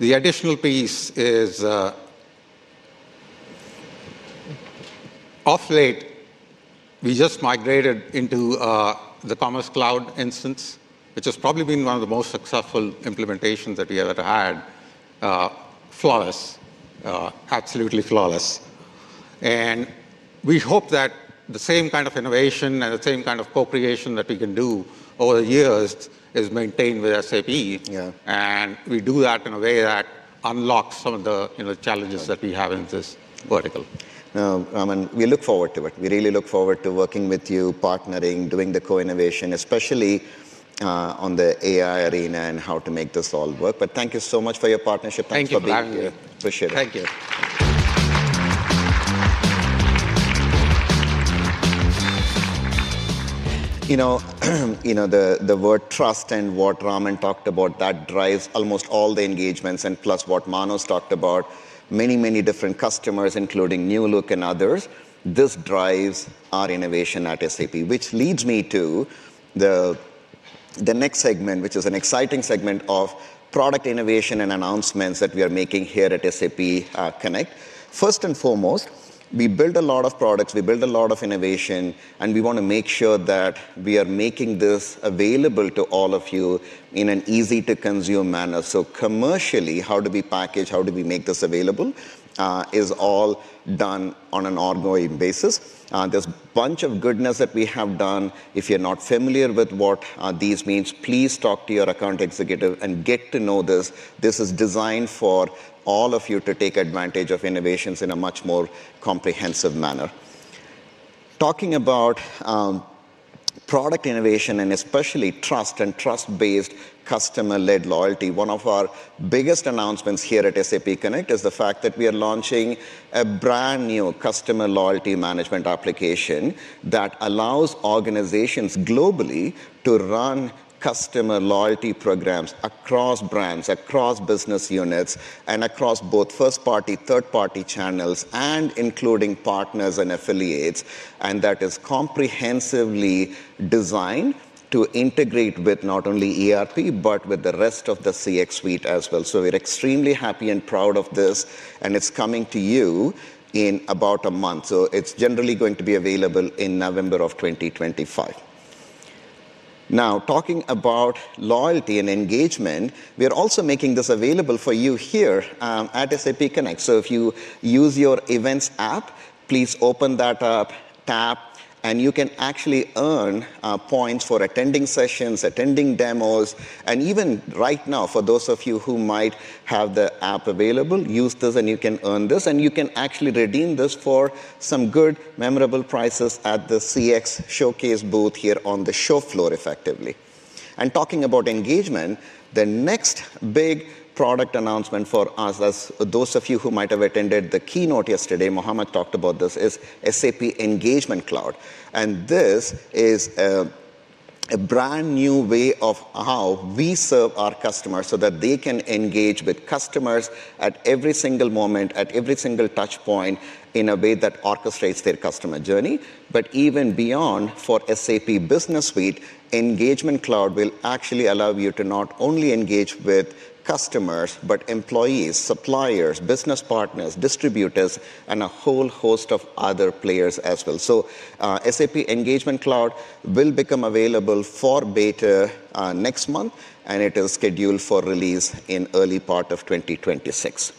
The additional piece is, of late, we just migrated into the Commerce Cloud instance, which has probably been one of the most successful implementations that we ever had. Flawless, absolutely flawless. We hope that the same kind of innovation and the same kind of co-creation that we can do over the years is maintained with SAP. We do that in a way that unlocks some of the challenges that we have in this vertical. Raman, we look forward to it. We really look forward to working with you, partnering, doing the co-innovation, especially in the AI arena and how to make this all work. Thank you so much for your partnership. Thank you. Appreciate it. Thank you. You know, the word trust and what Raman talked about, that drives almost all the engagements. Plus, what Manos talked about, many, many different customers, including New Look and others, this drives our innovation at SAP, which leads me to the next segment, which is an exciting segment of product innovation and announcements that we are making here at SAP Connect. First and foremost, we build a lot of products. We build a lot of innovation, and we want to make sure that we are making this available to all of you in an easy-to-consume manner. Commercially, how do we package? How do we make this available? It's all done on an ongoing basis. There's a bunch of goodness that we have done. If you're not familiar with what these mean, please talk to your account executive and get to know this. This is designed for all of you to take advantage of innovations in a much more comprehensive manner. Talking about product innovation and especially trust and trust-based customer-led loyalty, one of our biggest announcements here at SAP Connect is the fact that we are launching a brand new customer loyalty management application that allows organizations globally to run customer loyalty programs across brands, across business units, and across both first-party, third-party channels, including partners and affiliates. That is comprehensively designed to integrate with not only ERP, but with the rest of the CX suite as well. We're extremely happy and proud of this, and it's coming to you in about a month. It's generally going to be available in November of 2025. Now, talking about loyalty and engagement, we're also making this available for you here at SAP Connect. If you use your events app, please open that up, tap, and you can actually earn points for attending sessions, attending demos, and even right now, for those of you who might have the app available, use this, and you can earn this. You can actually redeem this for some good, memorable prizes at the CX Showcase booth here on the show floor, effectively. Talking about engagement, the next big product announcement for us, as those of you who might have attended the keynote yesterday, Mohamed talked about this, is SAP Engagement Cloud. This is a brand new way of how we serve our customers so that they can engage with customers at every single moment, at every single touchpoint in a way that orchestrates their customer journey. Even beyond for SAP Business Suite, SAP Engagement Cloud will actually allow you to not only engage with customers, but employees, suppliers, business partners, distributors, and a whole host of other players as well. SAP Engagement Cloud will become available for beta next month, and it is scheduled for release in the early part of 2026.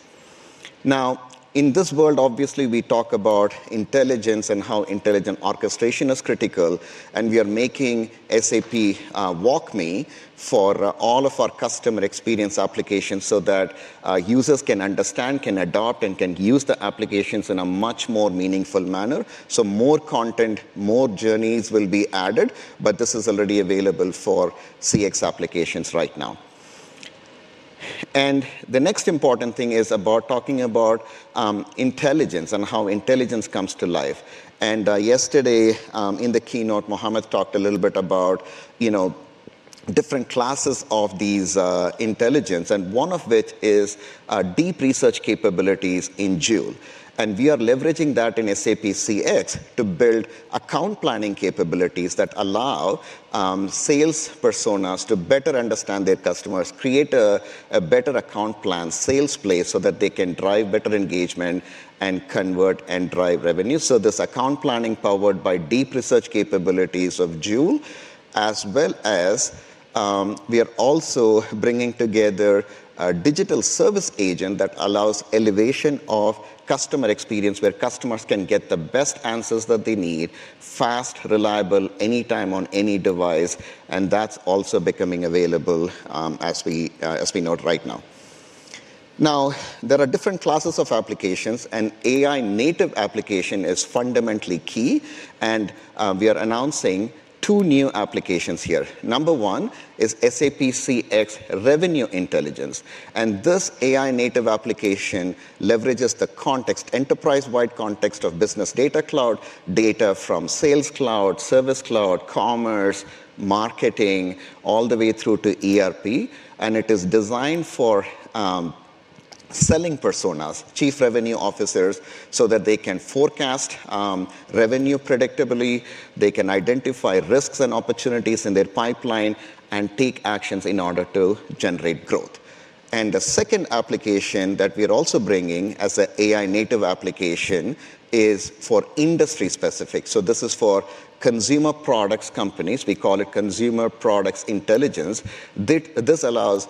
In this world, obviously, we talk about intelligence and how intelligent orchestration is critical. We are making SAP WalkMe for all of our customer experience applications so that users can understand, can adopt, and can use the applications in a much more meaningful manner. More content, more journeys will be added. This is already available for CX applications right now. The next important thing is about talking about intelligence and how intelligence comes to life. Yesterday in the keynote, Muhammad Alam talked a little bit about different classes of this intelligence, and one of which is deep research capabilities in SAP Joule. We are leveraging that in SAP Customer Experience to build account planning capabilities that allow sales personas to better understand their customers, create a better account plan sales play so that they can drive better engagement and convert and drive revenue. This account planning powered by deep research capabilities of SAP Joule, as well as we are also bringing together a digital service agent that allows elevation of customer experience where customers can get the best answers that they need, fast, reliable, anytime on any device. That's also becoming available as we know it right now. There are different classes of applications. An AI-native application is fundamentally key. We are announcing two new applications here. Number one is SAP CX Revenue Intelligence. This AI-native application leverages the context, enterprise-wide context of SAP Business Data Cloud, data from Sales Cloud, Service Cloud, Commerce, Marketing, all the way through to ERP. It is designed for selling personas, Chief Revenue Officers, so that they can forecast revenue predictably. They can identify risks and opportunities in their pipeline and take actions in order to generate growth. The second application that we are also bringing as an AI-native application is for industry-specific. This is for consumer products companies. We call it Consumer Products Intelligence. This allows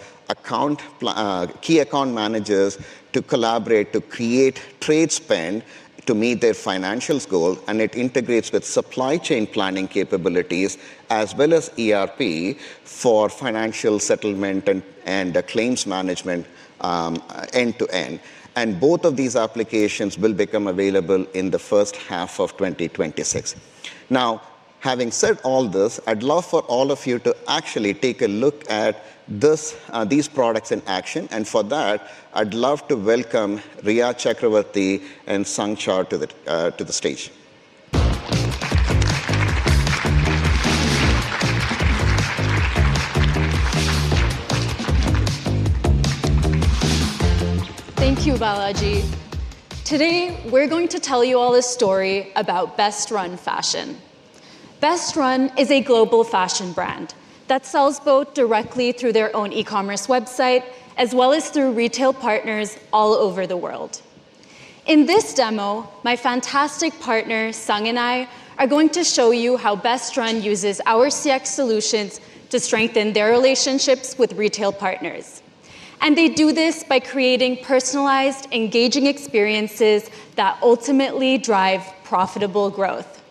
key account managers to collaborate to create trade spend to meet their financial goals. It integrates with supply chain planning capabilities, as well as ERP for financial settlement and claims management end-to-end. Both of these applications will become available in the first half of 2026. Having said all this, I'd love for all of you to actually take a look at these products in action. For that, I'd love to welcome Ria Chakravarti and Sangchar to the stage. Thank you, Balaji. Today, we're going to tell you all a story about Best Run Fashion. Best Run is a global fashion brand that sells both directly through their own e-commerce website as well as through retail partners all over the world. In this demo, my fantastic partner, Sung, and I are going to show you how Best Run uses our CX solutions to strengthen their relationships with retail partners. They do this by creating personalized, engaging experiences that ultimately drive profitable growth.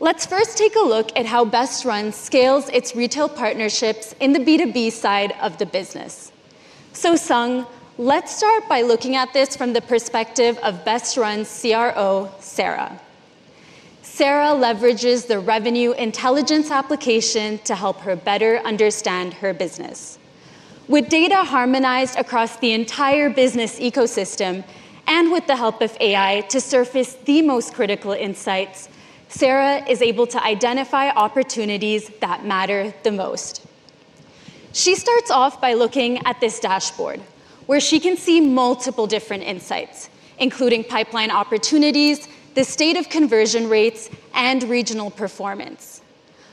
Let's first take a look at how Best Run scales its retail partnerships in the B2B side of the business. Sung, let's start by looking at this from the perspective of Best Run's CRO, Sarah. Sarah leverages the revenue intelligence application to help her better understand her business. With data harmonized across the entire business ecosystem and with the help of AI to surface the most critical insights, Sarah is able to identify opportunities that matter the most. She starts off by looking at this dashboard where she can see multiple different insights, including pipeline opportunities, the state of conversion rates, and regional performance.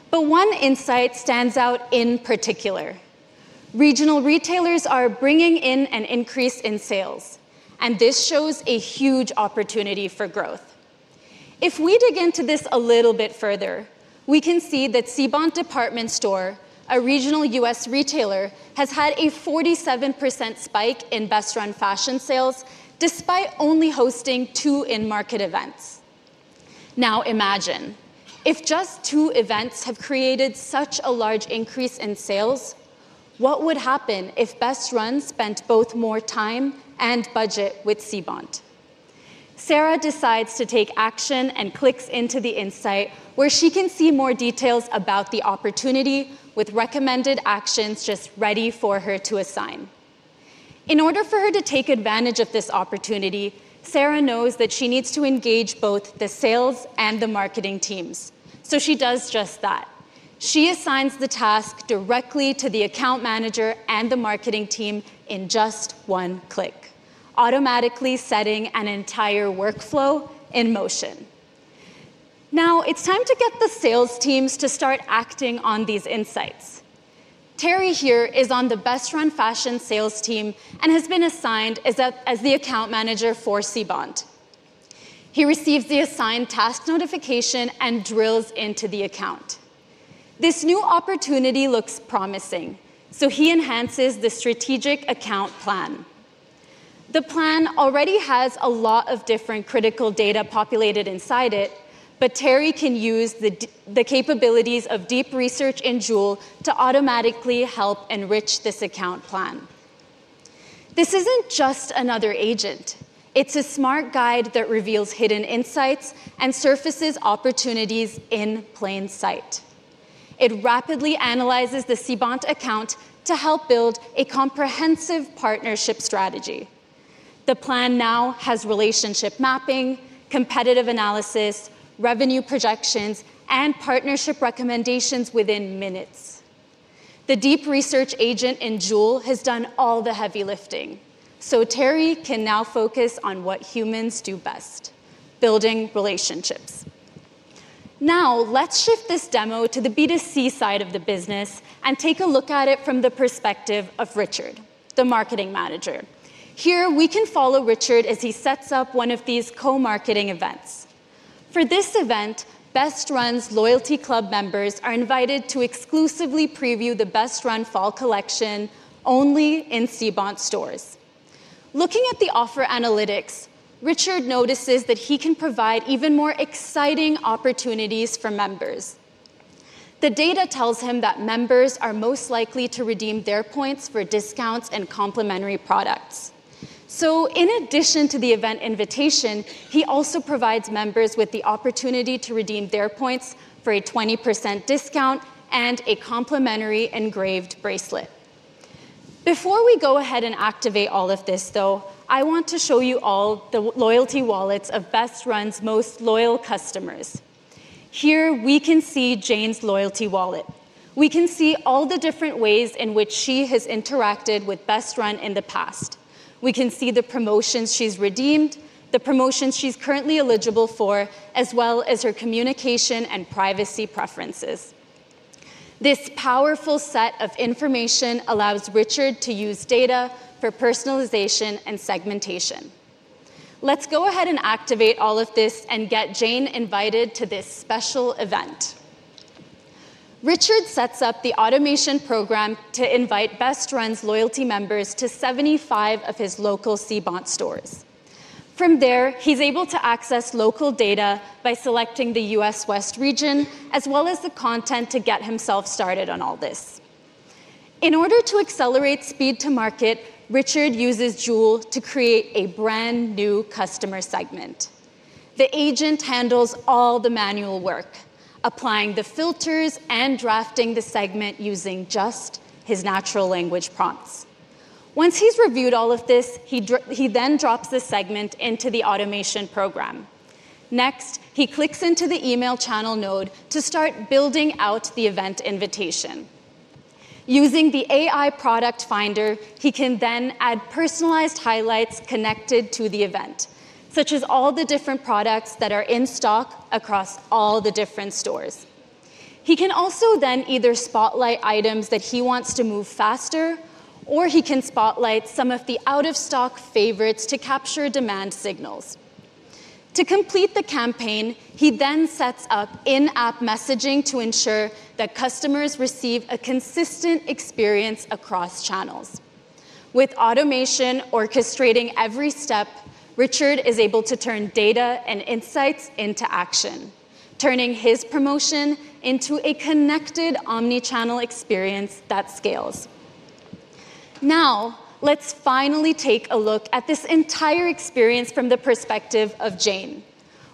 One insight stands out in particular. Regional retailers are bringing in an increase in sales. This shows a huge opportunity for growth. If we dig into this a little bit further, we can see that Cbond Department Store, a regional U.S. retailer, has had a 47% spike in Best Run Fashion sales despite only hosting two in-market events. Now, imagine if just two events have created such a large increase in sales. What would happen if Best Run spent both more time and budget with Cbond? Sarah decides to take action and clicks into the insight where she can see more details about the opportunity with recommended actions just ready for her to assign. In order for her to take advantage of this opportunity, Sarah knows that she needs to engage both the sales and the marketing teams. She does just that. She assigns the task directly to the account manager and the marketing team in just one click, automatically setting an entire workflow in motion. Now, it's time to get the sales teams to start acting on these insights. Terry here is on the Best Run Fashion sales team and has been assigned as the account manager for Cbond. He receives the assigned task notification and drills into the account. This new opportunity looks promising. He enhances the strategic account plan. The plan already has a lot of different critical data populated inside it. Terry can use the capabilities of deep research in SAP Joule to automatically help enrich this account plan. This isn't just another agent. It's a smart guide that reveals hidden insights and surfaces opportunities in plain sight. It rapidly analyzes the Cbond account to help build a comprehensive partnership strategy. The plan now has relationship mapping, competitive analysis, revenue projections, and partnership recommendations within minutes. The deep research agent in SAP Joule has done all the heavy lifting. Terry can now focus on what humans do best: building relationships. Now, let's shift this demo to the B2C side of the business and take a look at it from the perspective of Richard, the Marketing Manager. Here, we can follow Richard as he sets up one of these co-marketing events. For this event, Best Run's loyalty club members are invited to exclusively preview the Best Run fall collection only in Cbond stores. Looking at the offer analytics, Richard notices that he can provide even more exciting opportunities for members. The data tells him that members are most likely to redeem their points for discounts and complimentary products. In addition to the event invitation, he also provides members with the opportunity to redeem their points for a 20% discount and a complimentary engraved bracelet. Before we go ahead and activate all of this, I want to show you all the loyalty wallets of Best Run's most loyal customers. Here, we can see Jane's loyalty wallet. We can see all the different ways in which she has interacted with Best Run in the past. We can see the promotions she's redeemed, the promotions she's currently eligible for, as well as her communication and privacy preferences. This powerful set of information allows Richard to use data for personalization and segmentation. Let's go ahead and activate all of this and get Jane invited to this special event. Richard sets up the automation program to invite Best Run's loyalty members to 75 of his local Cbond stores. From there, he's able to access local data by selecting the U.S. West region as well as the content to get himself started on all this. In order to accelerate speed to market, Richard uses SAP Joule to create a brand new customer segment. The agent handles all the manual work, applying the filters and drafting the segment using just his natural language prompts. Once he's reviewed all of this, he then drops the segment into the automation program. Next, he clicks into the email channel node to start building out the event invitation. Using the AI product finder, he can then add personalized highlights connected to the event, such as all the different products that are in stock across all the different stores. He can also then either spotlight items that he wants to move faster, or he can spotlight some of the out-of-stock favorites to capture demand signals. To complete the campaign, he then sets up in-app messaging to ensure that customers receive a consistent experience across channels. With automation orchestrating every step, Richard is able to turn data and insights into action, turning his promotion into a connected omnichannel experience that scales. Now, let's finally take a look at this entire experience from the perspective of Jane,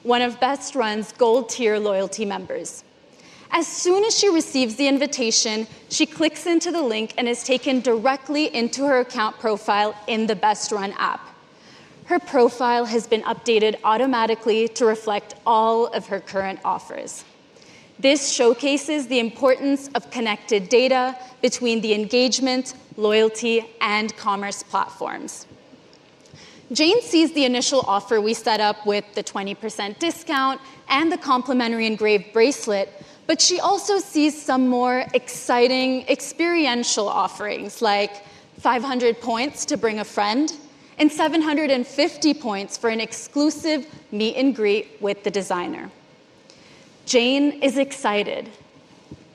one of Best Run's Gold Tier loyalty members. As soon as she receives the invitation, she clicks into the link and is taken directly into her account profile in the Best Run app. Her profile has been updated automatically to reflect all of her current offers. This showcases the importance of connected data between the engagement, loyalty, and commerce platforms. Jane sees the initial offer we set up with the 20% discount and the complimentary engraved bracelet. She also sees some more exciting experiential offerings like 500 points to bring a friend and 750 points for an exclusive meet and greet with the designer. Jane is excited.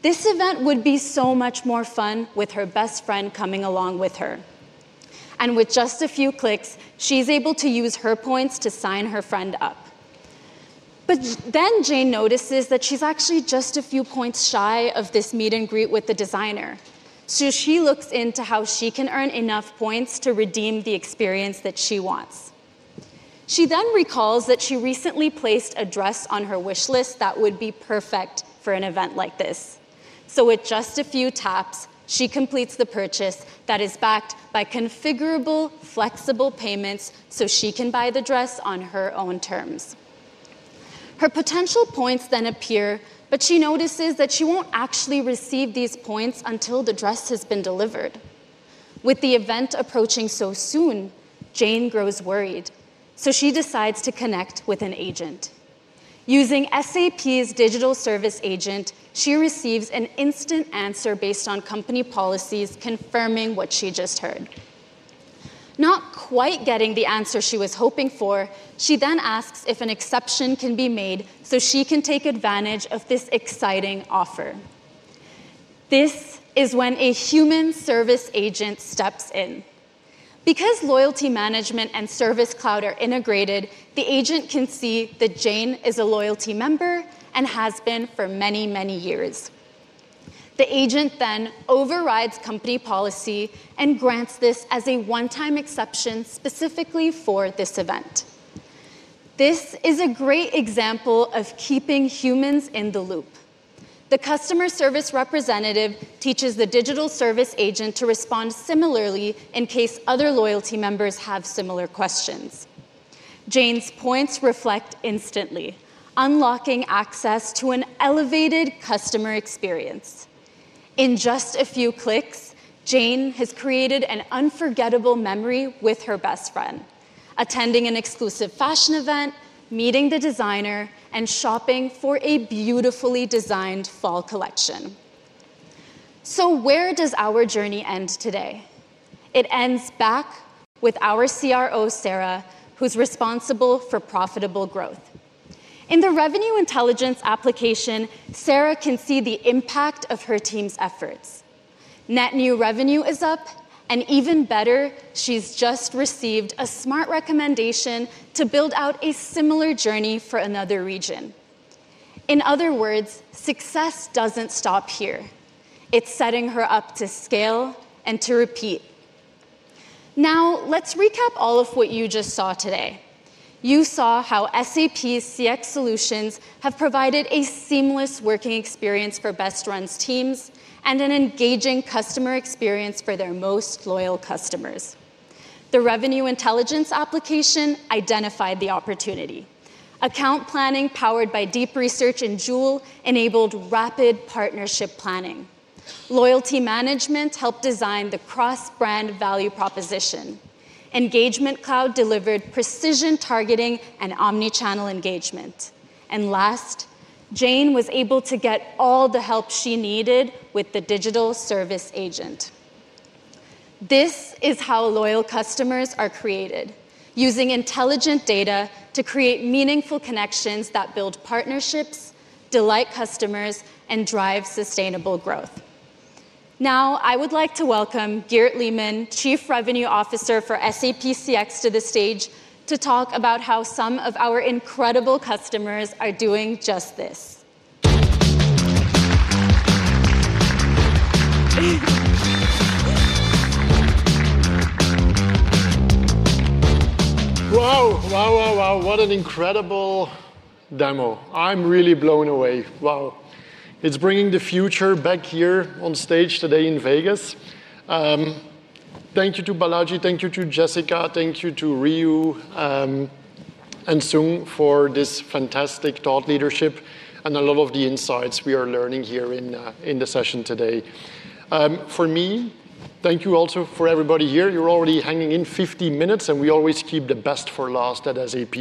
This event would be so much more fun with her best friend coming along with her. With just a few clicks, she's able to use her points to sign her friend up. Jane notices that she's actually just a few points shy of this meet and greet with the designer. She looks into how she can earn enough points to redeem the experience that she wants. She then recalls that she recently placed a dress on her wish list that would be perfect for an event like this. With just a few taps, she completes the purchase that is backed by configurable, flexible payments so she can buy the dress on her own terms. Her potential points then appear, but she notices that she won't actually receive these points until the dress has been delivered. With the event approaching so soon, Jane grows worried. She decides to connect with an agent. Using SAP's digital service agent, she receives an instant answer based on company policies, confirming what she just heard. Not quite getting the answer she was hoping for, she then asks if an exception can be made so she can take advantage of this exciting offer. This is when a human service agent steps in. Because loyalty management and Service Cloud are integrated, the agent can see that Jane is a loyalty member and has been for many, many years. The agent then overrides company policy and grants this as a one-time exception specifically for this event. This is a great example of keeping humans in the loop. The customer service representative teaches the digital service agent to respond similarly in case other loyalty members have similar questions. Jane's points reflect instantly, unlocking access to an elevated customer experience. In just a few clicks, Jane has created an unforgettable memory with her best friend, attending an exclusive fashion event, meeting the designer, and shopping for a beautifully designed fall collection. Where does our journey end today? It ends back with our Chief Revenue Officer, Sarah, who's responsible for profitable growth. In the revenue intelligence application, Sarah can see the impact of her team's efforts. Net new revenue is up. Even better, she's just received a smart recommendation to build out a similar journey for another region. In other words, success doesn't stop here. It's setting her up to scale and to repeat. Now, let's recap all of what you just saw today. You saw how SAP's CX solutions have provided a seamless working experience for Best Run's teams and an engaging customer experience for their most loyal customers. The revenue intelligence application identified the opportunity. Account planning powered by deep research in SAP Joule enabled rapid partnership planning. Loyalty management helped design the cross-brand value proposition. SAP Engagement Cloud delivered precision targeting and omnichannel engagement. Last, Jane was able to get all the help she needed with the digital service agent. This is how loyal customers are created, using intelligent data to create meaningful connections that build partnerships, delight customers, and drive sustainable growth. Now, I would like to welcome Geert Leeman, Chief Revenue Officer for SAP CX, to the stage to talk about how some of our incredible customers are doing just this. Wow, wow, wow, wow. What an incredible demo. I'm really blown away. Wow. It's bringing the future back here on stage today in Las Vegas. Thank you to Balaji. Thank you to Jessica. Thank you to Ria and Sung for this fantastic thought leadership and a lot of the insights we are learning here in the session today. For me, thank you also for everybody here. You're already hanging in 50 minutes. We always keep the best for last at SAP.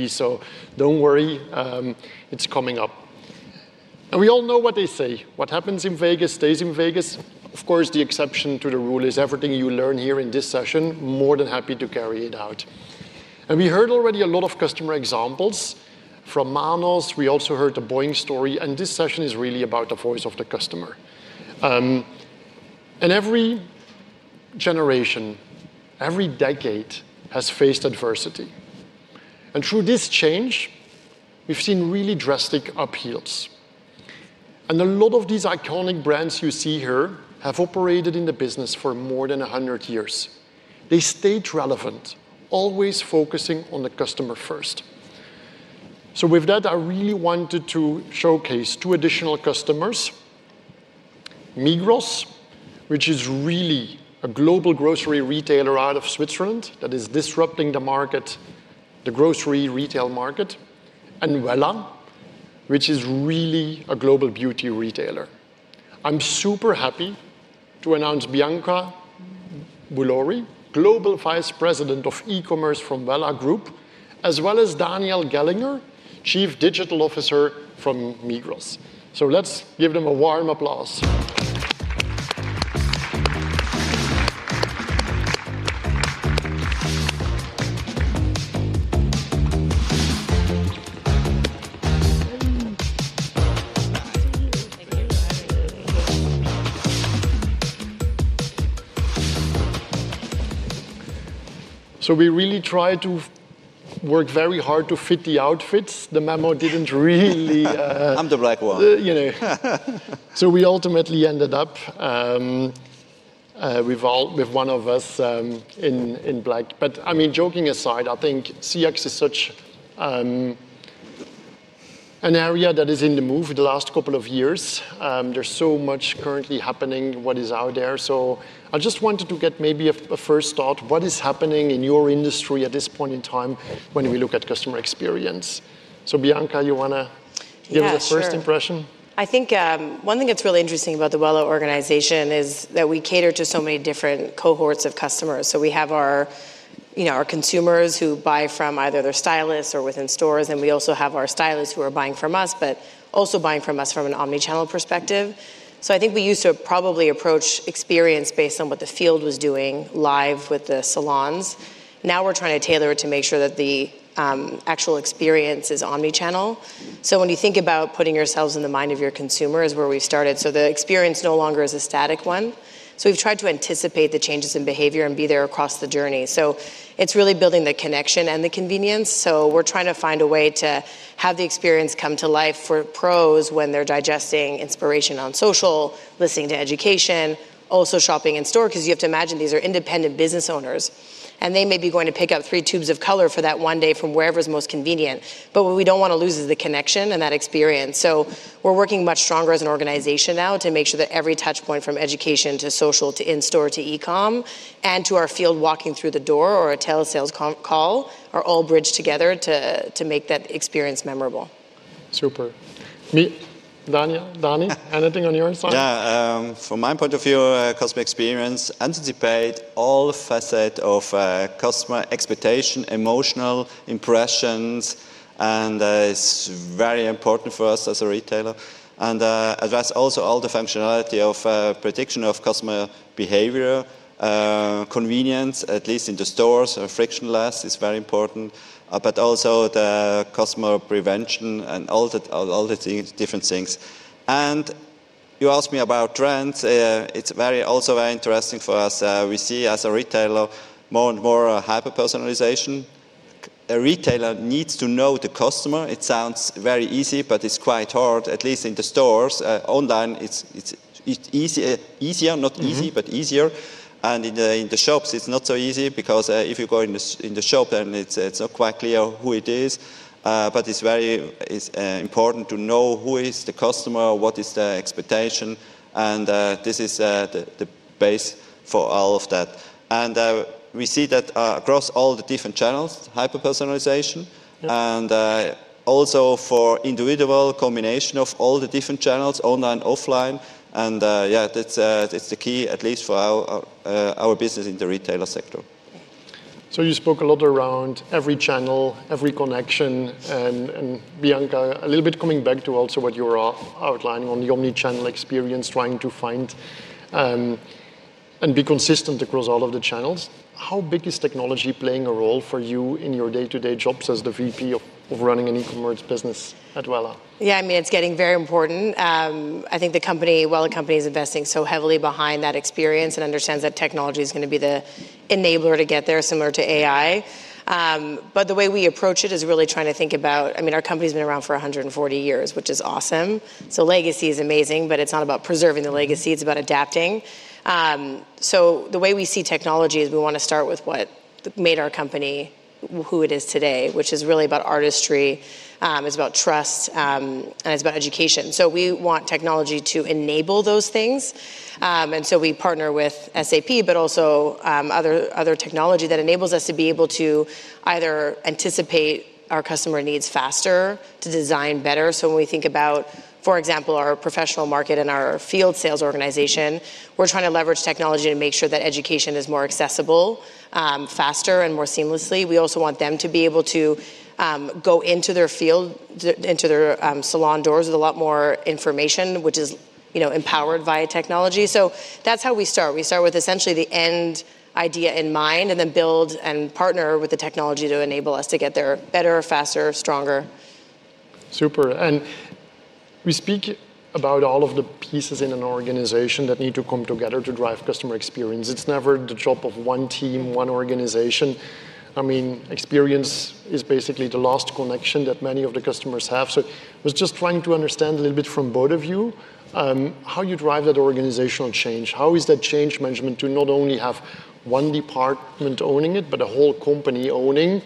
Don't worry. It's coming up. We all know what they say. What happens in Las Vegas stays in Las Vegas. Of course, the exception to the rule is everything you learn here in this session, more than happy to carry it out. We heard already a lot of customer examples from Manos. We also heard the Boeing story. This session is really about the voice of the customer. Every generation, every decade has faced adversity. Through this change, we've seen really drastic upheavals. A lot of these iconic brands you see here have operated in the business for more than 100 years. They stayed relevant, always focusing on the customer first. With that, I really wanted to showcase two additional customers: Migros, which is really a global grocery retailer out of Switzerland that is disrupting the market, the grocery retail market, and Wella, which is really a global beauty retailer. I'm super happy to announce Bianca Bolouri, Global Vice President of E-commerce from Wella Group, as well as Daniel Gahlinger, Chief Digital Officer from Migros. Let's give them a warm applause. We really tried to work very hard to fit the outfits. The memo didn't really. I'm the Black one. We ultimately ended up with one of us in black. Joking aside, I think CX is such an area that is in the move the last couple of years. There's so much currently happening, what is out there. I just wanted to get maybe a first thought, what is happening in your industry at this point in time when we look at customer experience. Bianca, you want to give us a first impression? I think one thing that's really interesting about the Wella organization is that we cater to so many different cohorts of customers. We have our consumers who buy from either their stylists or within stores, and we also have our stylists who are buying from us, but also buying from us from an omnichannel perspective. I think we used to probably approach experience based on what the field was doing live with the salons. Now we're trying to tailor it to make sure that the actual experience is omnichannel. When you think about putting yourselves in the mind of your consumer is where we started. The experience no longer is a static one. We've tried to anticipate the changes in behavior and be there across the journey. It's really building the connection and the convenience. We're trying to find a way to have the experience come to life for pros when they're digesting inspiration on social, listening to education, also shopping in store. You have to imagine these are independent business owners, and they may be going to pick up three tubes of color for that one day from wherever is most convenient. What we don't want to lose is the connection and that experience. We're working much stronger as an organization now to make sure that every touchpoint from education to social to in-store to e-com and to our field walking through the door or a telesales call are all bridged together to make that experience memorable. Super. Daniel, anything on your side? Yeah, from my point of view, customer experience anticipates all facets of customer expectation, emotional impressions. It's very important for us as a retailer, and also all the functionality of prediction of customer behavior, convenience, at least in the stores, or frictionless is very important, but also the customer prevention and all the different things. You asked me about trends. It's also very interesting for us. We see as a retailer more and more hyper-personalization. A retailer needs to know the customer. It sounds very easy, but it's quite hard, at least in the stores. Online, it's easier. Not easy, but easier. In the shops, it's not so easy because if you go in the shop, then it's not quite clear who it is. It's very important to know who is the customer, what is the expectation. This is the base for all of that. We see that across all the different channels, hyper-personalization, and also for individual combination of all the different channels, online and offline. That's the key, at least for our business in the retailer sector. You spoke a lot around every channel, every connection. Bianca, a little bit coming back to also what you were outlining on the omnichannel experience, trying to find and be consistent across all of the channels. How big is technology playing a role for you in your day-to-day jobs as the Vice President of running an E-commerce business at Wella? Yeah, I mean, it's getting very important. I think the company, Wella, is investing so heavily behind that experience and understands that technology is going to be the enabler to get there, similar to AI. The way we approach it is really trying to think about, I mean, our company's been around for 140 years, which is awesome. Legacy is amazing, but it's not about preserving the legacy. It's about adapting. The way we see technology is we want to start with what made our company who it is today, which is really about artistry. It's about trust, and it's about education. We want technology to enable those things. We partner with SAP, but also other technology that enables us to be able to either anticipate our customer needs faster, to design better. For example, when we think about our professional market and our field sales organization, we're trying to leverage technology to make sure that education is more accessible faster and more seamlessly. We also want them to be able to go into their field, into their salon doors with a lot more information, which is empowered via technology. That's how we start. We start with essentially the end idea in mind and then build and partner with the technology to enable us to get there better, faster, stronger. Super. We speak about all of the pieces in an organization that need to come together to drive customer experience. It's never the job of one team, one organization. Experience is basically the last connection that many of the customers have. I was just trying to understand a little bit from both of you how you drive that organizational change. How is that change management to not only have one department owning it, but a whole company owning,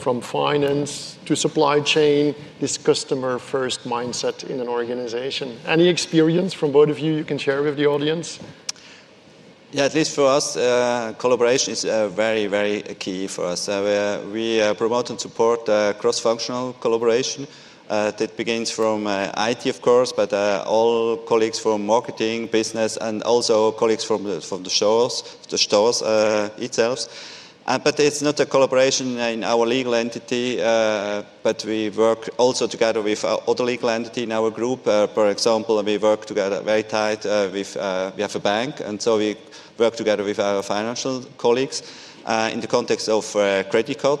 from finance to supply chain, this customer-first mindset in an organization? Any experience from both of you you can share with the audience? Yeah, at least for us, collaboration is very, very key for us. We promote and support cross-functional collaboration. That begins from IT, of course, but all colleagues from marketing, business, and also colleagues from the shows itself. It's not a collaboration in our legal entity. We work also together with other legal entities in our group. For example, we work together very tight with a bank, and we work together with our financial colleagues. In the context of credit card,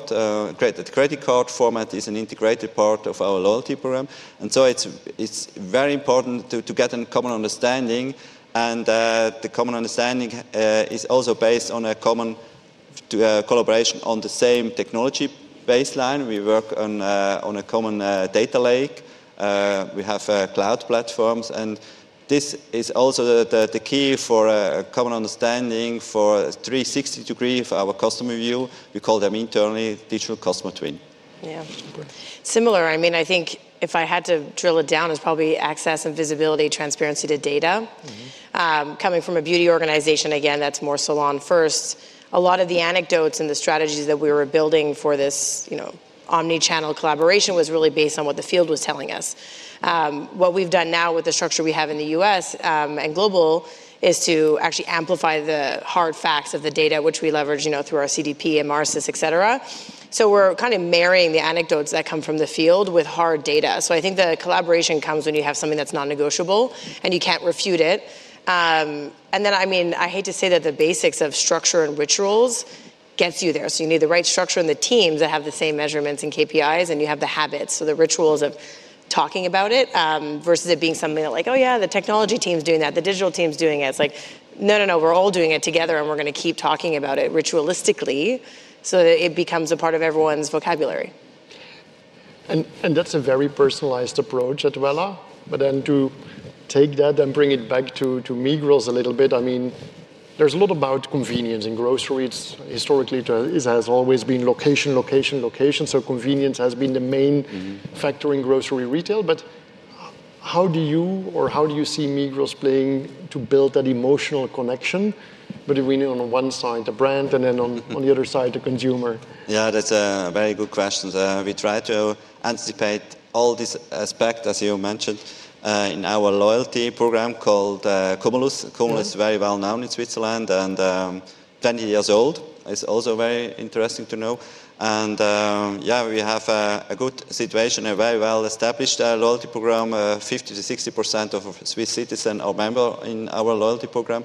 credit card format is an integrated part of our loyalty program. It's very important to get a common understanding. The common understanding is also based on a common collaboration on the same technology baseline. We work on a common data lake. We have cloud platforms. This is also the key for a common understanding for a 360-degree of our customer view. We call them internally digital customer twin. Yeah, similar. I mean, I think if I had to drill it down, it's probably access and visibility, transparency to data. Coming from a beauty organization, again, that's more salon-first. A lot of the anecdotes and the strategies that we were building for this omnichannel collaboration was really based on what the field was telling us. What we've done now with the structure we have in the U.S. and global is to actually amplify the hard facts of the data, which we leverage through our CDP, Emarsys, et cetera. We're kind of marrying the anecdotes that come from the field with hard data. I think the collaboration comes when you have something that's non-negotiable and you can't refute it. I hate to say that the basics of structure and rituals get you there. You need the right structure and the teams that have the same measurements and KPIs. You have the habits, the rituals of talking about it versus it being something that, like, oh, yeah, the technology team is doing that. The digital team is doing it. It's like, no, no, no, we're all doing it together. We're going to keep talking about it ritualistically so that it becomes a part of everyone's vocabulary. That's a very personalized approach at Wella. To take that and bring it back to Migros a little bit, there's a lot about convenience in grocery. It historically has always been location, location, location. Convenience has been the main factor in grocery retail. How do you or how do you see Migros playing to build that emotional connection between on one side the brand and then on the other side the consumer? Yeah, that's a very good question. We try to anticipate all these aspects, as you mentioned, in our loyalty program called Cumulus. Cumulus is very well known in Switzerland and 20 years old. It's also very interesting to know. Yeah, we have a good situation, a very well-established loyalty program. 50% - 60% of Swiss citizens are a member in our loyalty program.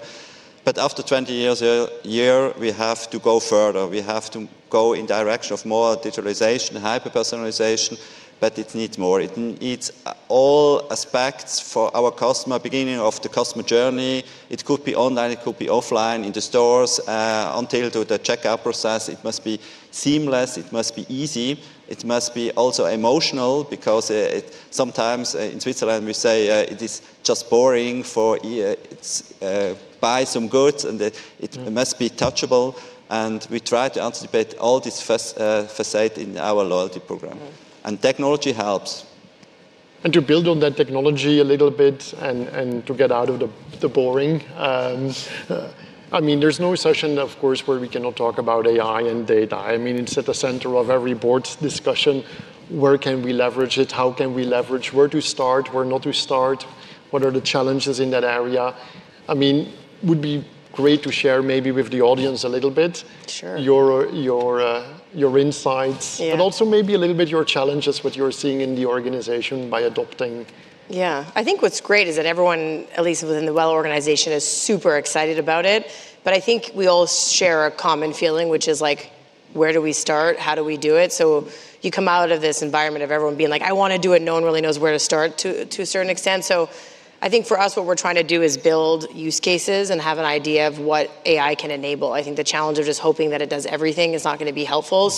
After 20 years, we have to go further. We have to go in the direction of more digitalization, hyper-personalization. It needs more. It needs all aspects for our customer, beginning of the customer journey. It could be online. It could be offline in the stores until the checkout process. It must be seamless. It must be easy. It must be also emotional because sometimes in Switzerland, we say it is just boring to buy some goods. It must be touchable. We try to anticipate all these facets in our loyalty program. Technology helps. To build on that technology a little bit and to get out of the boring, I mean, there's no session, of course, where we cannot talk about AI and data. It's at the center of every board's discussion. Where can we leverage it? How can we leverage? Where to start? Where not to start? What are the challenges in that area? It would be great to share maybe with the audience a little bit your insights, but also maybe a little bit your challenges, what you're seeing in the organization by adopting. Yeah, I think what's great is that everyone, at least within the Wella organization, is super excited about it. I think we all share a common feeling, which is like, where do we start? How do we do it? You come out of this environment of everyone being like, I want to do it. No one really knows where to start to a certain extent. I think for us, what we're trying to do is build use cases and have an idea of what AI can enable. I think the challenge of just hoping that it does everything is not going to be helpful.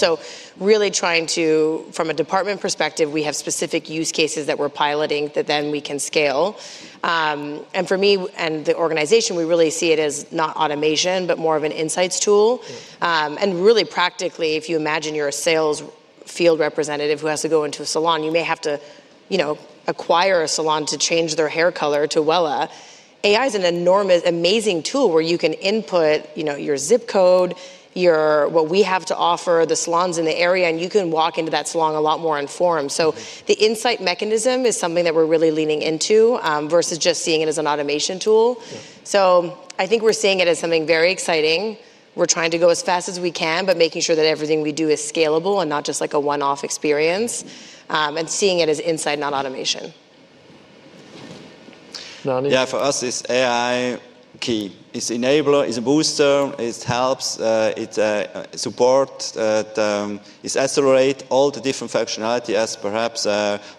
Really trying to, from a department perspective, we have specific use cases that we're piloting that then we can scale. For me and the organization, we really see it as not automation, but more of an insights tool. Really practically, if you imagine you're a sales field representative who has to go into a salon, you may have to acquire a salon to change their hair color to Wella. AI is an amazing tool where you can input your zip code, what we have to offer, the salons in the area. You can walk into that salon a lot more informed. The insight mechanism is something that we're really leaning into versus just seeing it as an automation tool. I think we're seeing it as something very exciting. We're trying to go as fast as we can, but making sure that everything we do is scalable and not just like a one-off experience and seeing it as insight, not automation. Yeah, for us, this AI key is an enabler. It's a booster. It helps. It supports, it accelerates all the different functionality as perhaps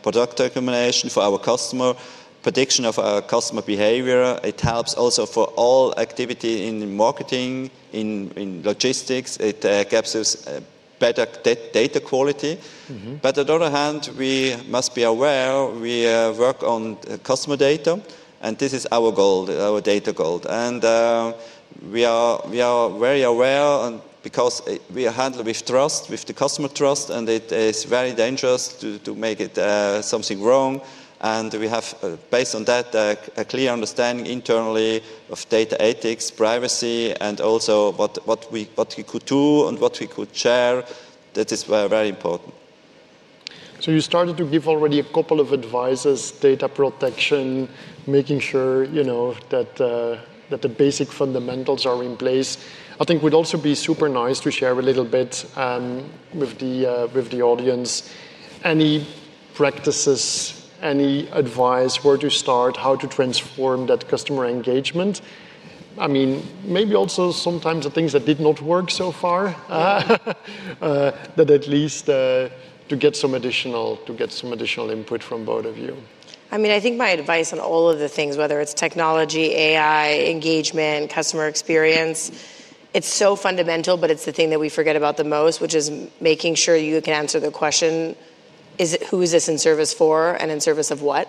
product documentation for our customer, prediction of our customer behavior. It helps also for all activity in marketing, in logistics. It gives us better data quality. On the other hand, we must be aware. We work on customer data, and this is our goal, our data goal. We are very aware because we are handling with trust, with the customer trust. It is very dangerous to make something wrong. We have, based on that, a clear understanding internally of data ethics, privacy, and also what we could do and what we could share. That is very important. You started to give already a couple of advices, data protection, making sure that the basic fundamentals are in place. I think it would also be super nice to share a little bit with the audience any practices, any advice, where to start, how to transform that customer engagement. I mean, maybe also sometimes the things that did not work so far, that at least to get some additional input from both of you. I think my advice on all of the things, whether it's technology, AI, engagement, customer experience, it's so fundamental. It's the thing that we forget about the most, which is making sure you can answer the question, who is this in service for and in service of what?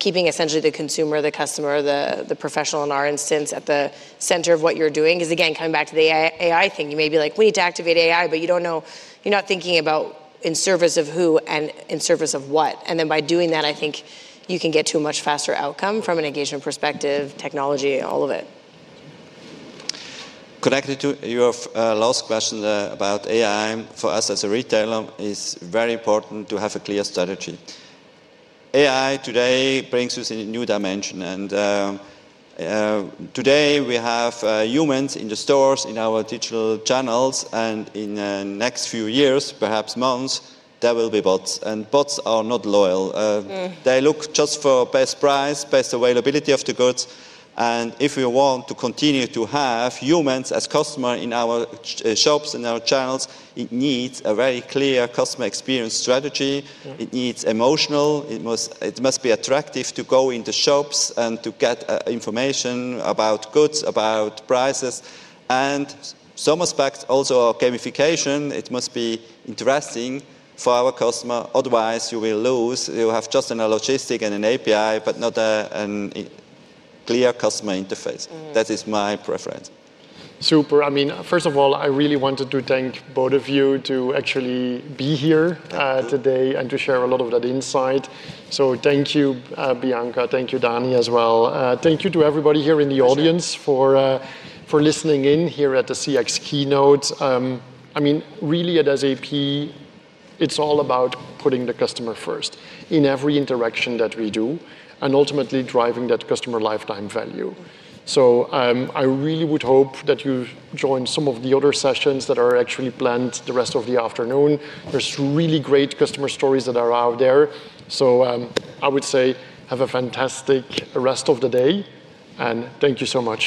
Keeping essentially the consumer, the customer, the professional in our instance at the center of what you're doing is, again, coming back to the AI thing. You may be like, we need to activate AI, but you don't know. You're not thinking about in service of who and in service of what. By doing that, I think you can get to a much faster outcome from an engagement perspective, technology, all of it. Connected to your last question about AI, for us as a retailer, it's very important to have a clear strategy. AI today brings us a new dimension. Today, we have humans in the stores, in our digital channels. In the next few years, perhaps months, there will be bots. Bots are not loyal. They look just for best price, best availability of the goods. If we want to continue to have humans as customers in our shops and our channels, it needs a very clear customer experience strategy. It needs emotional. It must be attractive to go into shops and to get information about goods, about prices. Some aspects also are gamification. It must be interesting for our customer. Otherwise, you will lose. You'll have just a logistic and an API, but not a clear customer interface. That is my preference. Super. I mean, first of all, I really wanted to thank both of you to actually be here today and to share a lot of that insight. Thank you, Bianca. Thank you, Dani, as well. Thank you to everybody here in the audience for listening in here at the CX keynote. I mean, really, at SAP, it's all about putting the customer first in every interaction that we do and ultimately driving that customer lifetime value. I really would hope that you join some of the other sessions that are actually planned the rest of the afternoon. There are really great customer stories that are out there. I would say have a fantastic rest of the day. Thank you so much.